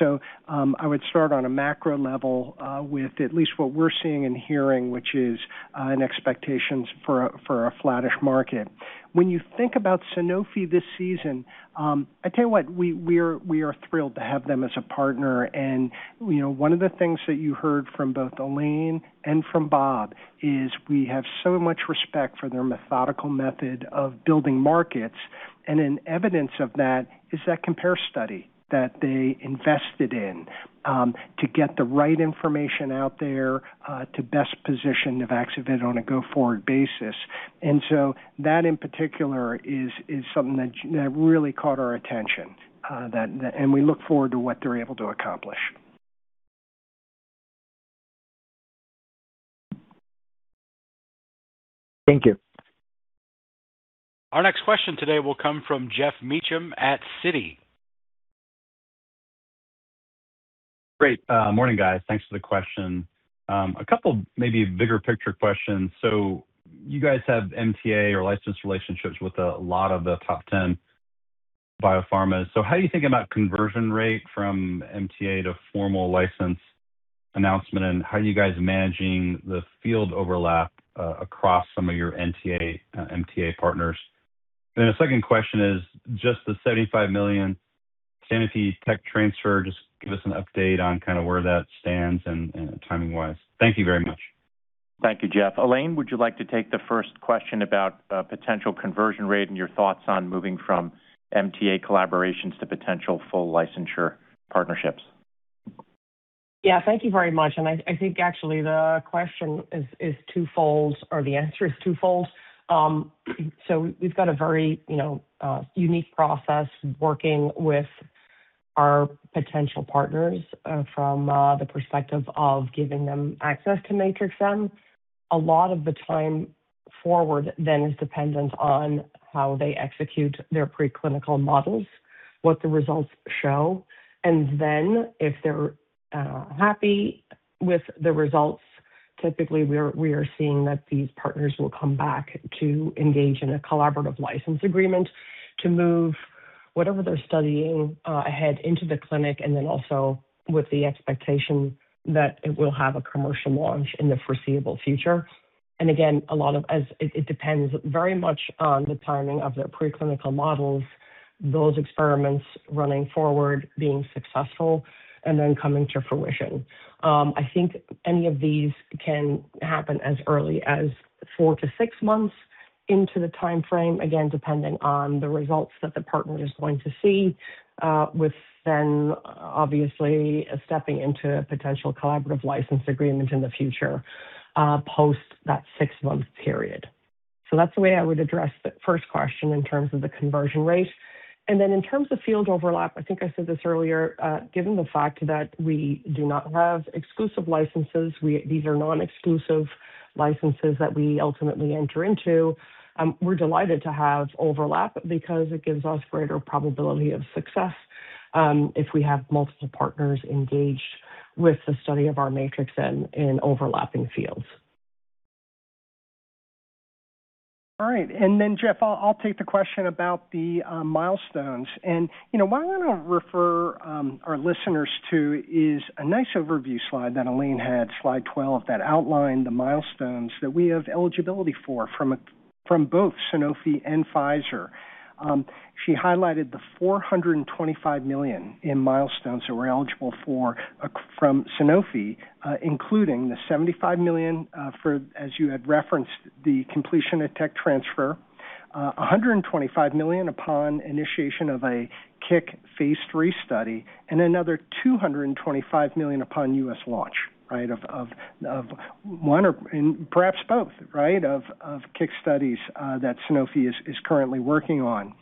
I would start on a macro level with at least what we're seeing and hearing, which is an expectations for a flattish market. When you think about Sanofi this season, I tell you what, we are thrilled to have them as a partner. You know, one of the things that you heard from both Elaine and from Bob is we have so much respect for their methodical method of building markets. An evidence of that is that COMPARE study that they invested in to get the right information out there to best position NUVAXOVID on a go-forward basis. That in particular is something that really caught our attention, and we look forward to what they're able to accomplish. Thank you. Our next question today will come from Geoff Meacham at Citi. Great. Morning, guys. Thanks for the question. A couple maybe bigger picture questions. You guys have MTA or license relationships with a lot of the top 10 biopharmas. How are you thinking about conversion rate from MTA to formal license announcement, and how are you guys managing the field overlap across some of your MTA partners? The second question is just the $75 million Sanofi tech transfer. Just give us an update on kind of where that stands and timing-wise. Thank you very much. Thank you, Geoff. Elaine, would you like to take the first question about potential conversion rate and your thoughts on moving from MTA collaborations to potential full licensure partnerships? Yeah. Thank you very much. I think actually the question is twofold, or the answer is twofold. We've got a very, you know, unique process working with our potential partners from the perspective of giving them access to Matrix-M. A lot of the time forward then is dependent on how they execute their preclinical models, what the results show, and then if they're happy with the results, typically we are seeing that these partners will come back to engage in a collaborative license agreement to move whatever they're studying ahead into the clinic and then also with the expectation that it will have a commercial launch in the foreseeable future. Again, a lot of it depends very much on the timing of their preclinical models, those experiments running forward, being successful, and then coming to fruition. I think any of these can happen as early as 4 to 6 months into the timeframe, again, depending on the results that the partner is going to see, with then obviously stepping into a potential collaborative license agreement in the future, post that six-month period. That's the way I would address the first question in terms of the conversion rate. In terms of field overlap, I think I said this earlier, given the fact that we do not have exclusive licenses, these are non-exclusive licenses that we ultimately enter into, we're delighted to have overlap because it gives us greater probability of success if we have multiple partners engaged with the study of our Matrix-M in overlapping fields. All right. Geoff, I'll take the question about the milestones. You know, what I want to refer our listeners to is a nice overview slide that Elaine had, slide 12, that outlined the milestones that we have eligibility for from both Sanofi and Pfizer. She highlighted the $425 million in milestones that we're eligible for from Sanofi, including the $75 million for, as you had referenced, the completion of tech transfer, a $125 million upon initiation of a CIC phase III study, and another $225 million upon U.S. launch, right? Of one or perhaps both, right, of CIC studies that Sanofi is currently working on.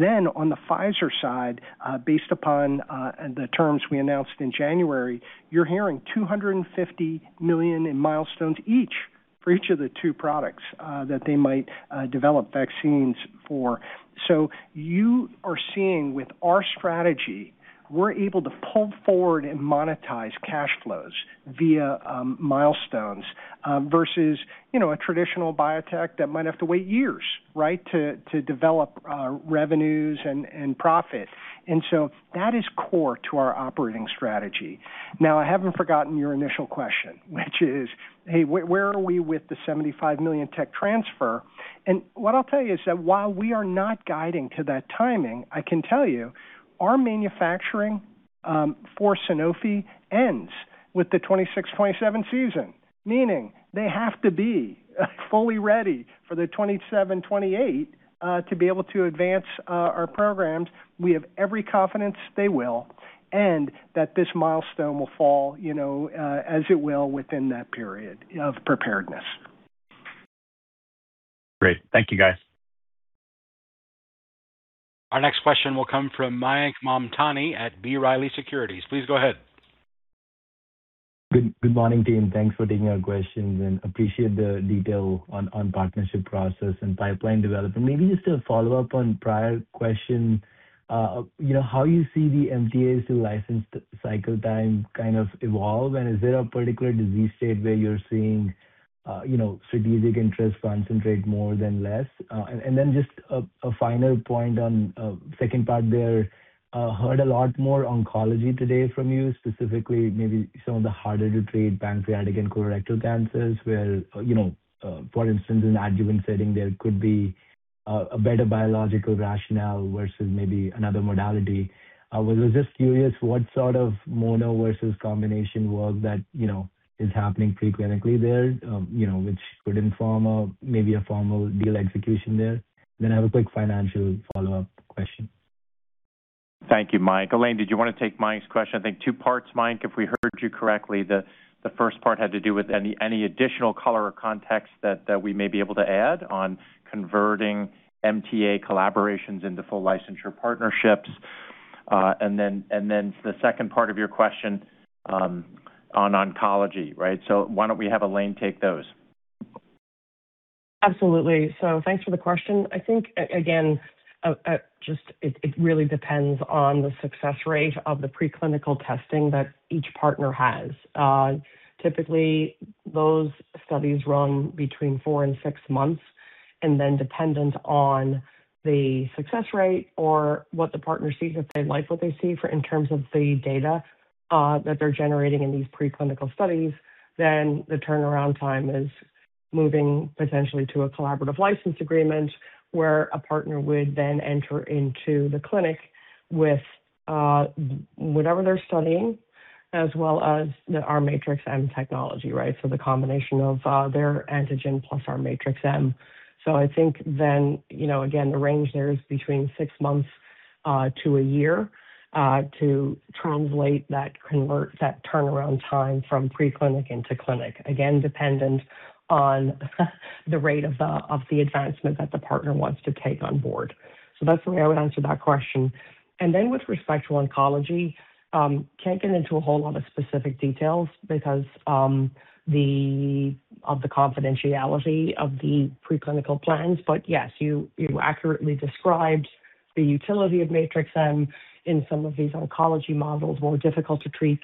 On the Pfizer side, based upon the terms we announced in January, you're hearing $250 million in milestones each for each of the two products that they might develop vaccines for. You are seeing with our strategy, we're able to pull forward and monetize cash flows via milestones versus, you know, a traditional biotech that might have to wait years, right, to develop revenues and profit. That is core to our operating strategy. Now, I haven't forgotten your initial question, which is, "Hey, where are we with the $75 million tech transfer?" What I'll tell you is that while we are not guiding to that timing, I can tell you our manufacturing for Sanofi ends with the 2026, 2027 season, meaning they have to be fully ready for the 2027, 2028 to be able to advance our programs. We have every confidence they will, and that this milestone will fall, you know, as it will within that period of preparedness. Great. Thank you, guys. Our next question will come from Mayank Mamtani at B. Riley Securities. Please go ahead. Good morning, team. Thanks for taking our questions. Appreciate the detail on partnership process and pipeline development. Maybe just a follow-up on prior question. You know, how you see the MTAs to licensed cycle time kind of evolve? Is there a particular disease state where you're seeing, you know, strategic interest concentrate more than less? Just a final point on second part there. Heard a lot more oncology today from you, specifically maybe some of the harder to treat pancreatic and colorectal cancers where, you know, for instance, in adjuvant setting there could be a better biological rationale versus maybe another modality. I was just curious what sort of mono versus combination work that, you know, is happening pre-clinically there, you know, which could inform maybe a formal deal execution there. I have a quick financial follow-up question. Thank you, Mayank. Elaine, did you wanna take Mayank's question? I think two parts, Mayank, if we heard you correctly. The first part had to do with any additional color or context that we may be able to add on converting MTA collaborations into full licensure partnerships. Then the second part of your question on oncology, right? Why don't we have Elaine take those. Absolutely. Thanks for the question. I think again, just it really depends on the success rate of the preclinical testing that each partner has. Typically, those studies run between four and six months, and then dependent on the success rate or what the partner sees, if they like what they see for in terms of the data that they're generating in these preclinical studies, then the turnaround time is moving potentially to a collaborative license agreement where a partner would then enter into the clinic with whatever they're studying, as well as our Matrix-M technology, right? The combination of their antigen plus our Matrix-M. I think then, you know, again, the range there is between six months to a year to translate that turnaround time from pre-clinic into clinic. Dependent on the rate of the advancement that the partner wants to take on board. That's the way I would answer that question. With respect to oncology, can't get into a whole lot of specific details because of the confidentiality of the preclinical plans, but yes, you accurately described the utility of Matrix-M in some of these oncology models, more difficult to treat,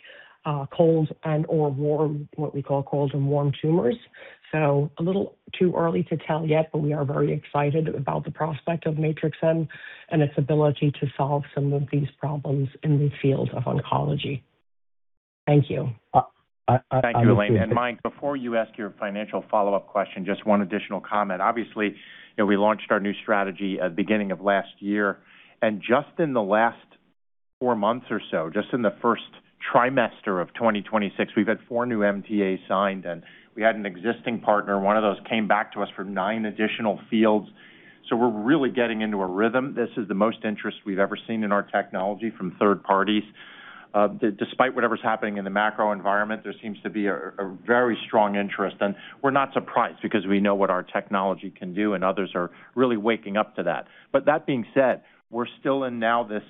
cold and/or warm, what we call cold and warm tumors. A little too early to tell yet, but we are very excited about the prospect of Matrix-M and its ability to solve some of these problems in the field of oncology. Thank you. I- Thank you, Elaine. Mayank, before you ask your financial follow-up question, just one additional comment. Obviously, we launched our new strategy at the beginning of last year, just in the last 4 months or so, just in the first trimester of 2026, we've had 4 new MTAs signed, we had an existing partner, one of those came back to us for 9 additional fields. We're really getting into a rhythm. This is the most interest we've ever seen in our technology from third parties. Despite whatever's happening in the macro environment, there seems to be a very strong interest. We're not surprised because we know what our technology can do, others are really waking up to that. That being said, we're still in now this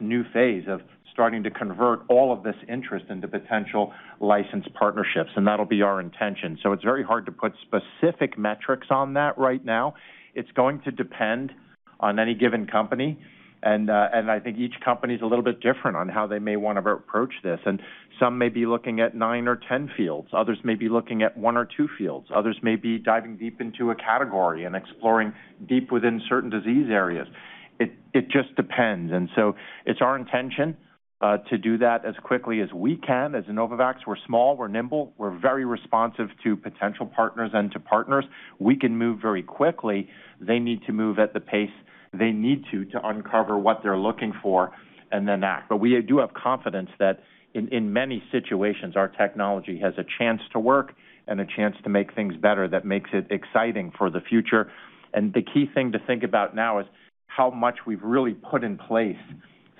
new phase of starting to convert all of this interest into potential licensed partnerships, that'll be our intention. It's very hard to put specific metrics on that right now. It's going to depend on any given company, and I think each company is a little bit different on how they may want to approach this. Some may be looking at nine or 10 fields, others may be looking at one or two fields. Others may be diving deep into a category and exploring deep within certain disease areas. It just depends. It's our intention to do that as quickly as we can. As Novavax, we're small, we're nimble, we're very responsive to potential partners and to partners. We can move very quickly. They need to move at the pace they need to uncover what they're looking for and then act. We do have confidence that in many situations, our technology has a chance to work and a chance to make things better. That makes it exciting for the future. The key thing to think about now is how much we've really put in place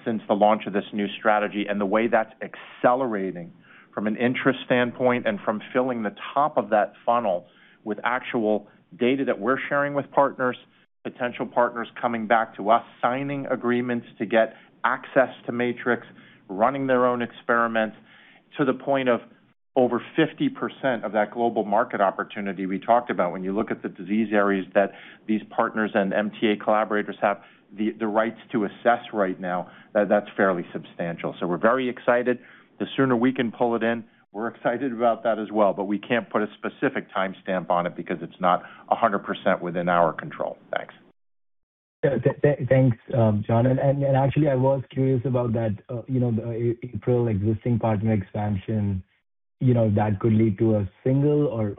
since the launch of this new strategy and the way that's accelerating from an interest standpoint and from filling the top of that funnel with actual data that we're sharing with partners, potential partners coming back to us, signing agreements to get access to Matrix-M, running their own experiments to the point of over 50% of that global market opportunity we talked about. When you look at the disease areas that these partners and MTA collaborators have the rights to assess right now, that's fairly substantial. We're very excited. The sooner we can pull it in, we're excited about that as well. We can't put a specific timestamp on it because it's not 100% within our control. Thanks. Yeah. Thanks, John. Actually, I was curious about that, you know, April existing partner expansion, you know, that could lead to a single or,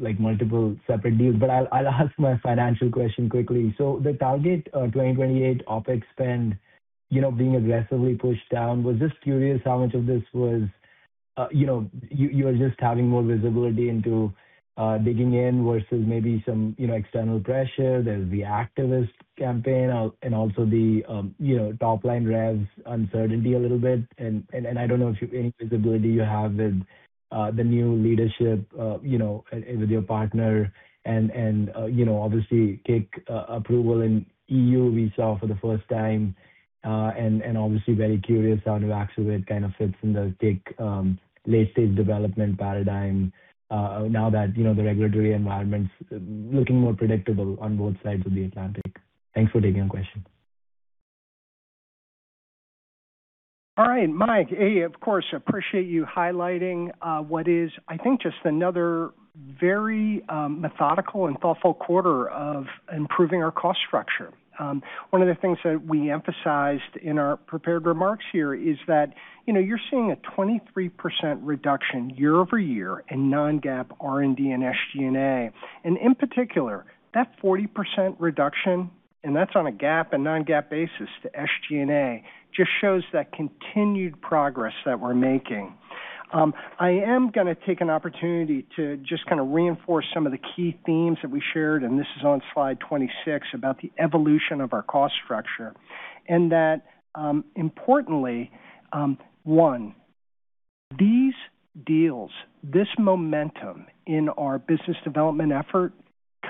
like, multiple separate deals. I'll ask my financial question quickly. The target 2028 OpEx spend, you know, being aggressively pushed down. Was just curious how much of this was, you know, you were just having more visibility into digging in versus maybe some, you know, external pressure. There's the activist campaign and also the, you know, top-line revs uncertainty a little bit. I don't know if any visibility you have with the new leadership, you know, with your partner and, you know, obviously, CIC approval in EU we saw for the first time. Obviously very curious how Novavax kind of fits in the tech, late-stage development paradigm, now that, you know, the regulatory environment's looking more predictable on both sides of the Atlantic. Thanks for taking the question. All right. Mayank, of course, appreciate you highlighting, what is, I think, just another very methodical and thoughtful quarter of improving our cost structure. One of the things that we emphasized in our prepared remarks here is that, you know, you're seeing a 23% reduction year-over-year in non-GAAP R&D and SG&A. In particular, that 40% reduction, and that's on a GAAP and non-GAAP basis to SG&A, just shows that continued progress that we're making. I am gonna take an opportunity to just kinda reinforce some of the key themes that we shared, and this is on slide 26, about the evolution of our cost structure, and that importantly, one, these deals, this momentum in our business development effort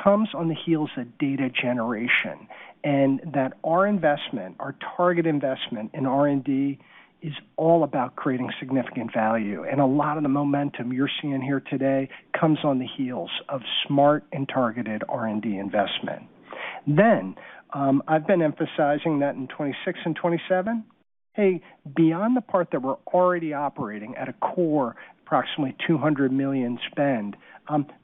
comes on the heels of data generation, and that our investment, our target investment in R&D is all about creating significant value. A lot of the momentum you're seeing here today comes on the heels of smart and targeted R&D investment. I've been emphasizing that in 2026 and 2027, beyond the part that we're already operating at a core approximately $200 million spend,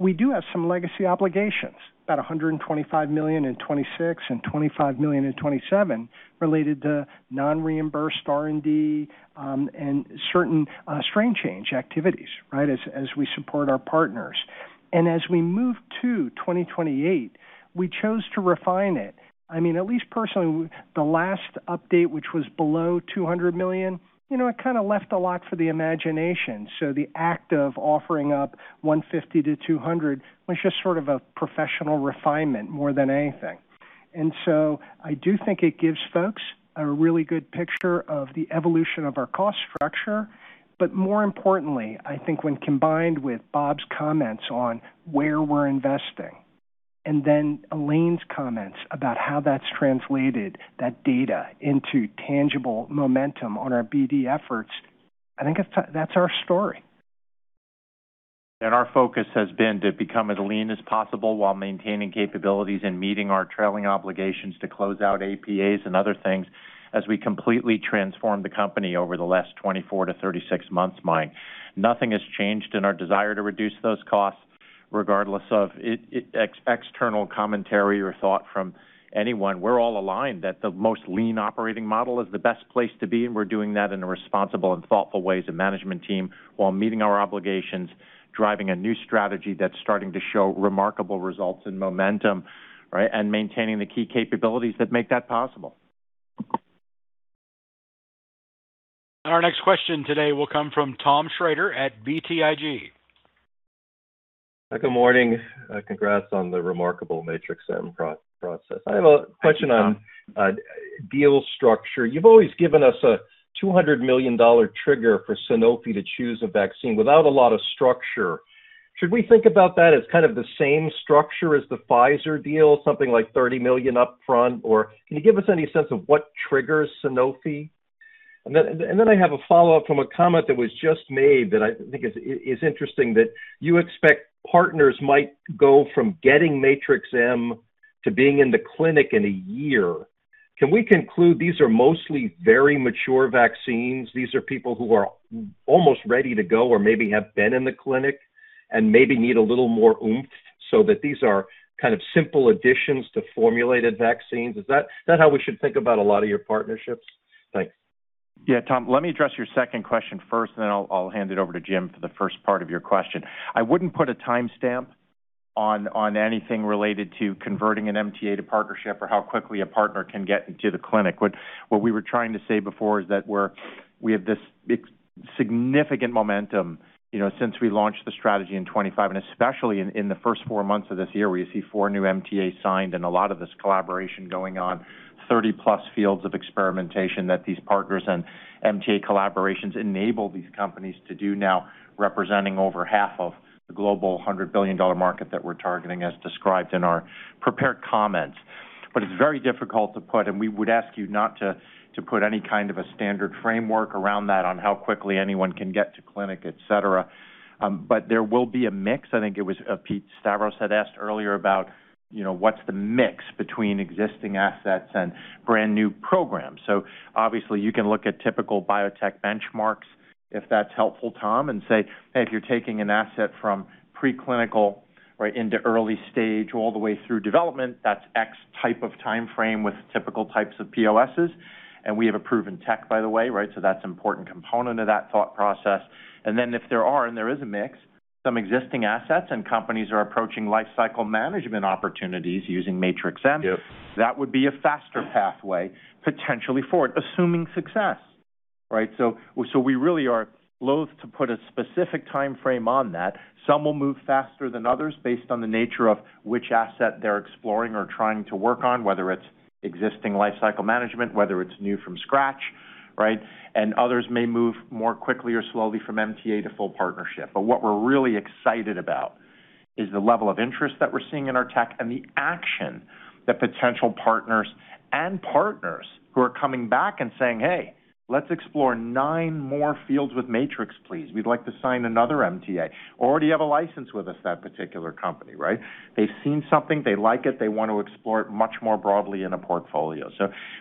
we do have some legacy obligations, about $125 million in 2026 and $25 million in 2027 related to non-reimbursed R&D and certain strain change activities, as we support our partners. As we move to 2028, we chose to refine it. I mean, at least personally, the last update, which was below $200 million, you know, it kinda left a lot for the imagination. The act of offering up $150-$200 was just sort of a professional refinement more than anything. I do think it gives folks a really good picture of the evolution of our cost structure. More importantly, I think when combined with Bob's comments on where we're investing and then Elaine's comments about how that's translated that data into tangible momentum on our BD efforts, I think that's our story. Our focus has been to become as lean as possible while maintaining capabilities and meeting our trailing obligations to close out APAs and other things as we completely transform the company over the last 24 to 36 months, Mayank. Nothing has changed in our desire to reduce those costs, regardless of external commentary or thought from anyone. We're all aligned that the most lean operating model is the best place to be, and we're doing that in a responsible and thoughtful way as a management team while meeting our obligations, driving a new strategy that's starting to show remarkable results and momentum, right, and maintaining the key capabilities that make that possible. Our next question today will come from Tom Shrader at BTIG. Good morning. Congrats on the remarkable Matrix-M progress. Thank you, Tom. I have a question on deal structure. You've always given us a $200 million trigger for Sanofi to choose a vaccine without a lot of structure. Should we think about that as kind of the same structure as the Pfizer deal, something like $30 million upfront? Can you give us any sense of what triggers Sanofi? I have a follow-up from a comment that was just made that I think is interesting, that you expect partners might go from getting Matrix-M to being in the clinic in a year. Can we conclude these are mostly very mature vaccines? These are people who are almost ready to go or maybe have been in the clinic and maybe need a little more oomph so that these are kind of simple additions to formulated vaccines. Is that how we should think about a lot of your partnerships? Thanks. Yeah, Tom, let me address your second question first, and then I'll hand it over to Jim for the first part of your question. I wouldn't put a timestamp on anything related to converting an MTA to partnership or how quickly a partner can get into the clinic. What we were trying to say before is that we have this significant momentum, you know, since we launched the strategy in 2025, and especially in the first four months of this year, where you see 4 new MTAs signed and a lot of this collaboration going on. 30+ fields of experimentation that these partners and MTA collaborations enable these companies to do now representing over half of the global $100 billion market that we're targeting as described in our prepared comments. It's very difficult to put, and we would ask you not to put any kind of a standard framework around that on how quickly anyone can get to clinic, et cetera. There will be a mix. I think it was Pete Stavropoulos had asked earlier about, you know, what's the mix between existing assets and brand-new programs. Obviously you can look at typical biotech benchmarks if that's helpful, Tom, and say, "Hey, if you're taking an asset from preclinical right into early stage all the way through development, that's X type of timeframe with typical types of PoS's." We have a proven tech, by the way, right? That's an important component of that thought process. Then if there are, and there is a mix, some existing assets and companies are approaching lifecycle management opportunities using Matrix-M- Yep That would be a faster pathway potentially for it, assuming success, right? We really are loath to put a specific timeframe on that. Some will move faster than others based on the nature of which asset they're exploring or trying to work on, whether it's existing lifecycle management, whether it's new from scratch, right? Others may move more quickly or slowly from MTA to full partnership. What we're really excited about is the level of interest that we're seeing in our tech and the action that potential partners and partners who are coming back and saying, "Hey, let's explore nine more fields with Matrix-M, please. We'd like to sign another MTA." Already have a license with us, that particular company, right? They've seen something, they like it, they want to explore it much more broadly in a portfolio.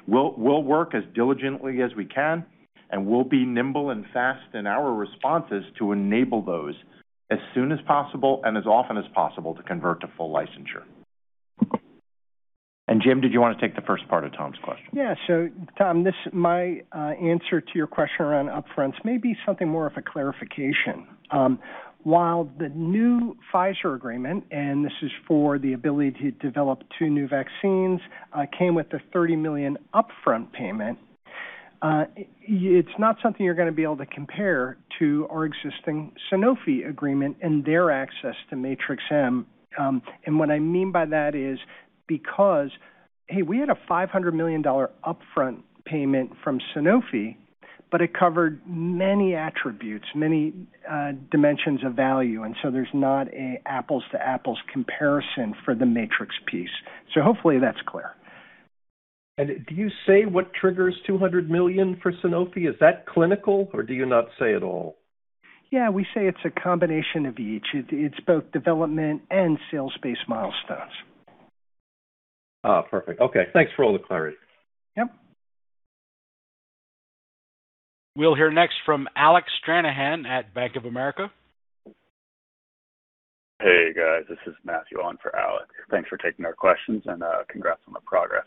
We'll work as diligently as we can, and we'll be nimble and fast in our responses to enable those as soon as possible and as often as possible to convert to full licensure. Jim, did you want to take the first part of Tom's question? Yeah. Tom, my answer to your question around upfronts may be something more of a clarification. While the new Pfizer agreement, and this is for the ability to develop two new vaccines, came with the $30 million upfront payment, it's not something you're gonna be able to COMPARE to our existing Sanofi agreement and their access to Matrix-M. What I mean by that is because, hey, we had a $500 million upfront payment from Sanofi, but it covered many attributes, many dimensions of value, there's not a apples-to-apples comparison for the Matrix piece. Hopefully that's clear. Do you say what triggers $200 million for Sanofi? Is that clinical, or do you not say at all? Yeah. We say it's a combination of each. It's both development and sales-based milestones. Perfect. Okay. Thanks for all the clarity. Yep. We'll hear next from Alec Stranahan at Bank of America. Hey, guys. This is Matthew on for Alec. Thanks for taking our questions, congrats on the progress.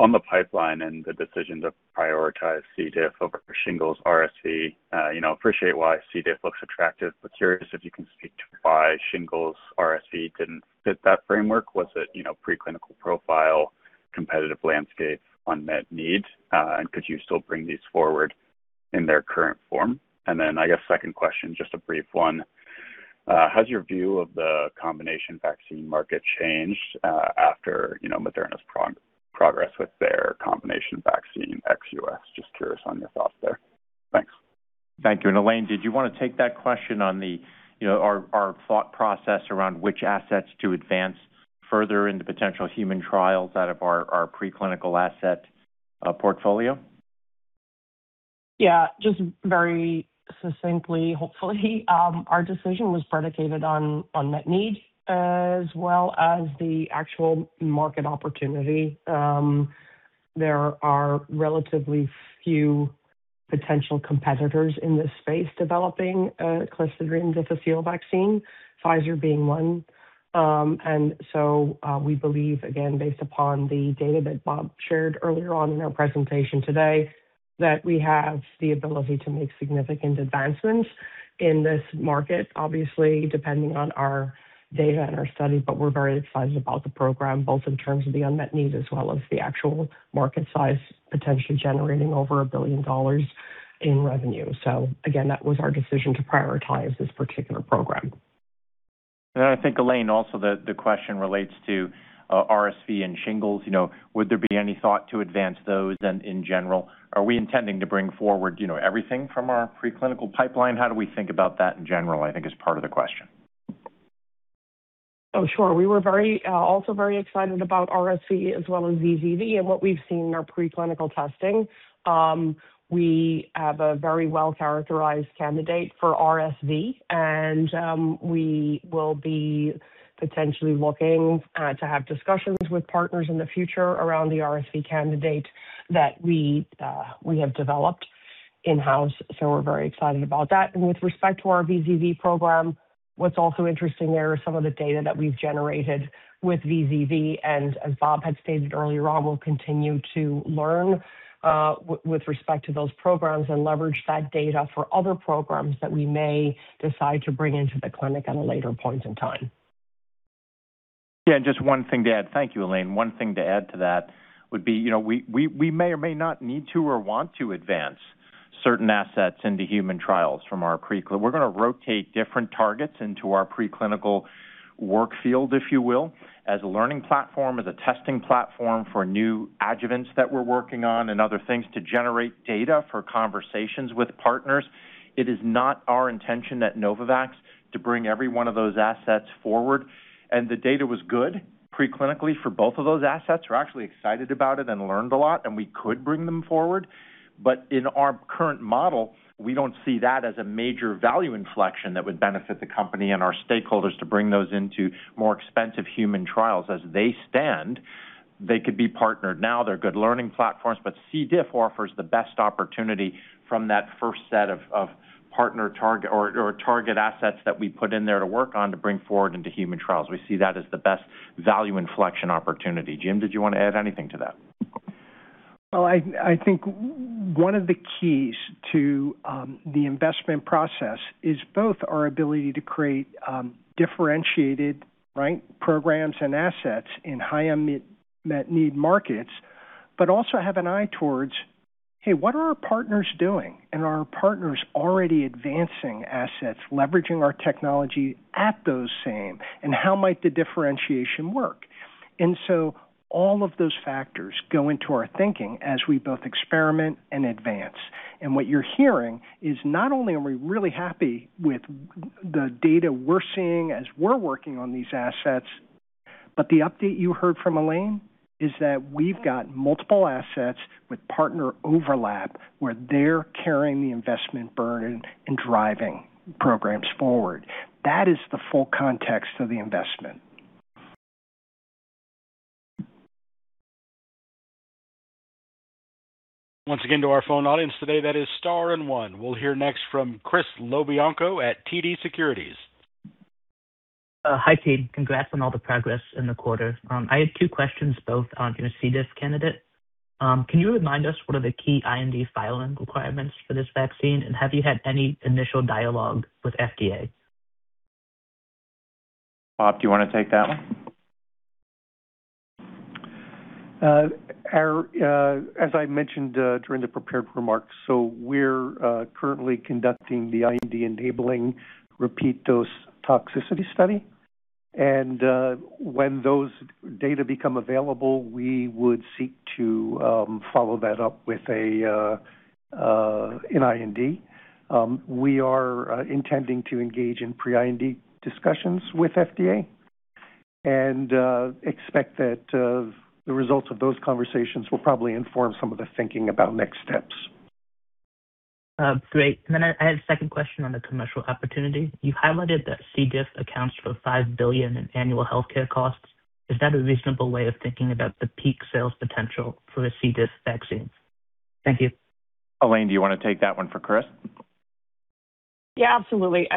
On the pipeline and the decision to prioritize C. diff over shingles RSV, you know, appreciate why C. diff looks attractive, but curious if you can speak to why shingles RSV didn't fit that framework. Was it, you know, preclinical profile, competitive landscape, unmet need? Could you still bring these forward in their current form? I guess second question, just a brief one. Has your view of the combination vaccine market changed after, you know, Moderna's progress with their combination vaccine ex US? Just curious on your thoughts there. Thanks. Thank you. Elaine, did you want to take that question on the, you know, our thought process around which assets to advance further into potential human trials out of our preclinical asset portfolio? Yeah. Just very succinctly, hopefully, our decision was predicated on unmet need as well as the actual market opportunity. There are relatively few potential competitors in this space developing a Clostridioides difficile vaccine, Pfizer being one. We believe, again, based upon the data that Bob shared earlier on in our presentation today, that we have the ability to make significant advancements in this market, obviously, depending on our data and our study, but we're very excited about the program, both in terms of the unmet need as well as the actual market size, potentially generating over a billion dollars in revenue. That was our decision to prioritize this particular program. I think, Elaine, also the question relates to RSV and shingles. You know, would there be any thought to advance those? In general, are we intending to bring forward, you know, everything from our preclinical pipeline? How do we think about that in general, I think is part of the question. Sure. We were also very excited about RSV as well as VZV and what we've seen in our preclinical testing. We have a very well-characterized candidate for RSV, and we will be potentially looking to have discussions with partners in the future around the RSV candidate that we have developed in-house. We're very excited about that. With respect to our VZV program, what's also interesting there are some of the data that we've generated with VZV. As Bob had stated earlier on, we'll continue to learn with respect to those programs and leverage that data for other programs that we may decide to bring into the clinic at a later point in time. Yeah, just one thing to add. Thank you, Elaine. One thing to add to that would be, you know, we may or may not need to or want to advance certain assets into human trials. We're gonna rotate different targets into our preclinical workflow, if you will, as a learning platform, as a testing platform for new adjuvants that we're working on and other things to generate data for conversations with partners. It is not our intention at Novavax to bring every one of those assets forward, and the data was good preclinically for both of those assets. We're actually excited about it and learned a lot, and we could bring them forward. In our current model, we don't see that as a major value inflection that would benefit the company and our stakeholders to bring those into more expensive human trials as they stand. They could be partnered now. They're good learning platforms. C. diff offers the best opportunity from that first set of partner target or target assets that we put in there to work on to bring forward into human trials. We see that as the best value inflection opportunity. Jim, did you want to add anything to that? Well, I think one of the keys to the investment process is both our ability to create differentiated, right, programs and assets in high unmet need markets, but also have an eye towards, hey, what are our partners doing, and are our partners already advancing assets, leveraging our technology at those same, and how might the differentiation work? All of those factors go into our thinking as we both experiment and advance. What you're hearing is not only are we really happy with the data we're seeing as we're working on these assets, but the update you heard from Elaine is that we've got multiple assets with partner overlap where they're carrying the investment burden and driving programs forward. That is the full context of the investment. Once again, to our phone audience today, that is star and one. We'll hear next from Chris LoBianco at TD Securities. Hi, team. Congrats on all the progress in the quarter. I had two questions both on your C. diff candidate. Can you remind us what are the key IND filing requirements for this vaccine, and have you had any initial dialogue with FDA? Bob, do you wanna take that one? Our, as I mentioned, during the prepared remarks, we're currently conducting the IND-enabling repeat dose toxicity study. When those data become available, we would seek to follow that up with an IND. We are intending to engage in pre-IND discussions with FDA and expect that the results of those conversations will probably inform some of the thinking about next steps. Great. I had a second question on the commercial opportunity. You highlighted that C. diff accounts for $5 billion in annual healthcare costs. Is that a reasonable way of thinking about the peak sales potential for a C. diff vaccine? Thank you. Elaine, do you wanna take that one for Chris? Yeah, absolutely.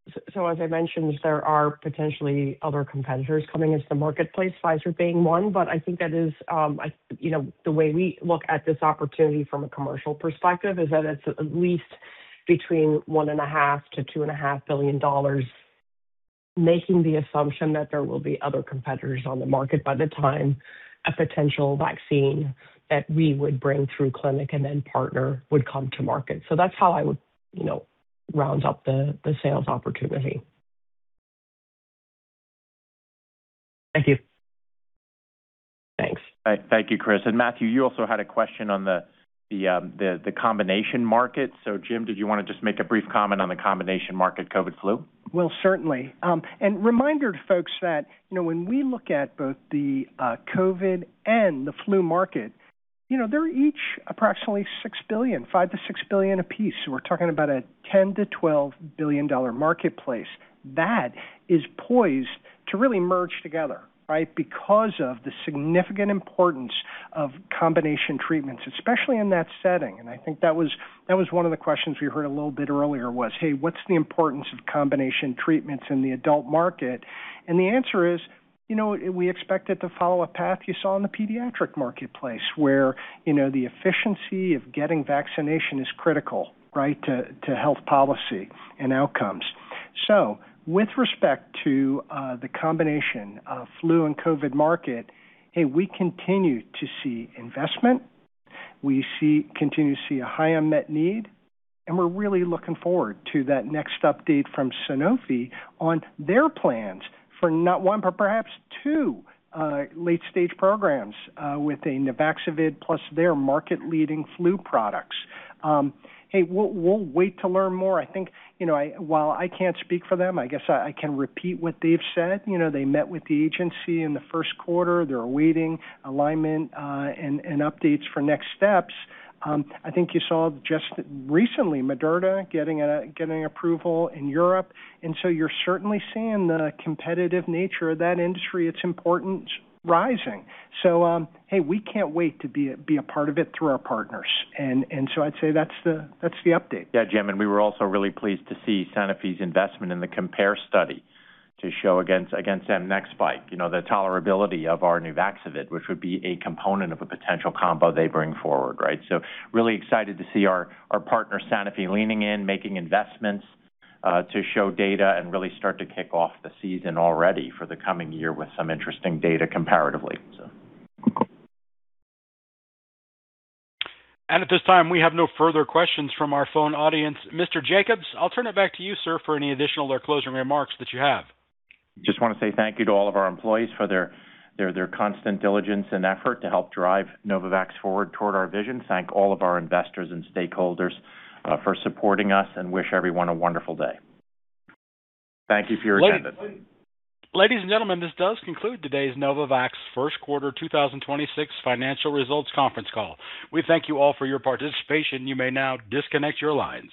I mean, it's, as I mentioned, there are potentially other competitors coming into the marketplace, Pfizer being one, I think that is, you know, the way we look at this opportunity from a commercial perspective is that it's at least between one and a half to two and a half billion dollars, making the assumption that there will be other competitors on the market by the time a potential vaccine that we would bring through clinic and then partner would come to market. That's how I would, you know, round up the sales opportunity. Thank you. Thanks. Thank you, Chris. Matthew, you also had a question on the combination market. Jim, did you wanna just make a brief comment on the combination market COVID-19 flu? Well, certainly. Reminder to folks that, you know, when we look at both the COVID and the flu market, you know, they're each approximately $6 billion, $5 billion-$6 billion apiece. We're talking about a $10 billion-$12 billion marketplace. That is poised to really merge together, right? Because of the significant importance of combination treatments, especially in that setting. I think that was one of the questions we heard a little bit earlier was, "Hey, what's the importance of combination treatments in the adult market?" The answer is, you know, we expect it to follow a path you saw in the pediatric marketplace, where, you know, the efficiency of getting vaccination is critical, right, to health policy and outcomes. With respect to the combination of flu and COVID market, hey, we continue to see investment. We continue to see a high unmet need. We're really looking forward to that next update from Sanofi on their plans for not one, but perhaps two, late-stage programs with NUVAXOVID plus their market-leading flu products. Hey, we'll wait to learn more. I think, you know, while I can't speak for them, I guess I can repeat what they've said. You know, they met with the agency in the first quarter. They're awaiting alignment and updates for next steps. I think you saw just recently Moderna getting approval in Europe. You're certainly seeing the competitive nature of that industry, its importance rising. Hey, we can't wait to be a part of it through our partners. I'd say that's the update. Jim, we were also really pleased to see Sanofi's investment in the COMPARE study to show against mNEXSPIKE, you know, the tolerability of our NUVAXOVID, which would be a component of a potential combo they bring forward, right? Really excited to see our partner Sanofi leaning in, making investments to show data and really start to kick off the season already for the coming year with some interesting data comparatively so. At this time, we have no further questions from our phone audience. Mr. Jacobs, I'll turn it back to you, sir, for any additional or closing remarks that you have. Just want to say thank you to all of our employees for their constant diligence and effort to help drive Novavax forward toward our vision. Thank all of our investors and stakeholders for supporting us, and wish everyone a wonderful day. Thank you for your attendance. Ladies and gentlemen, this does conclude today's Novavax First Quarter 2026 Financial Results Conference Call. We thank you all for your participation. You may now disconnect your lines.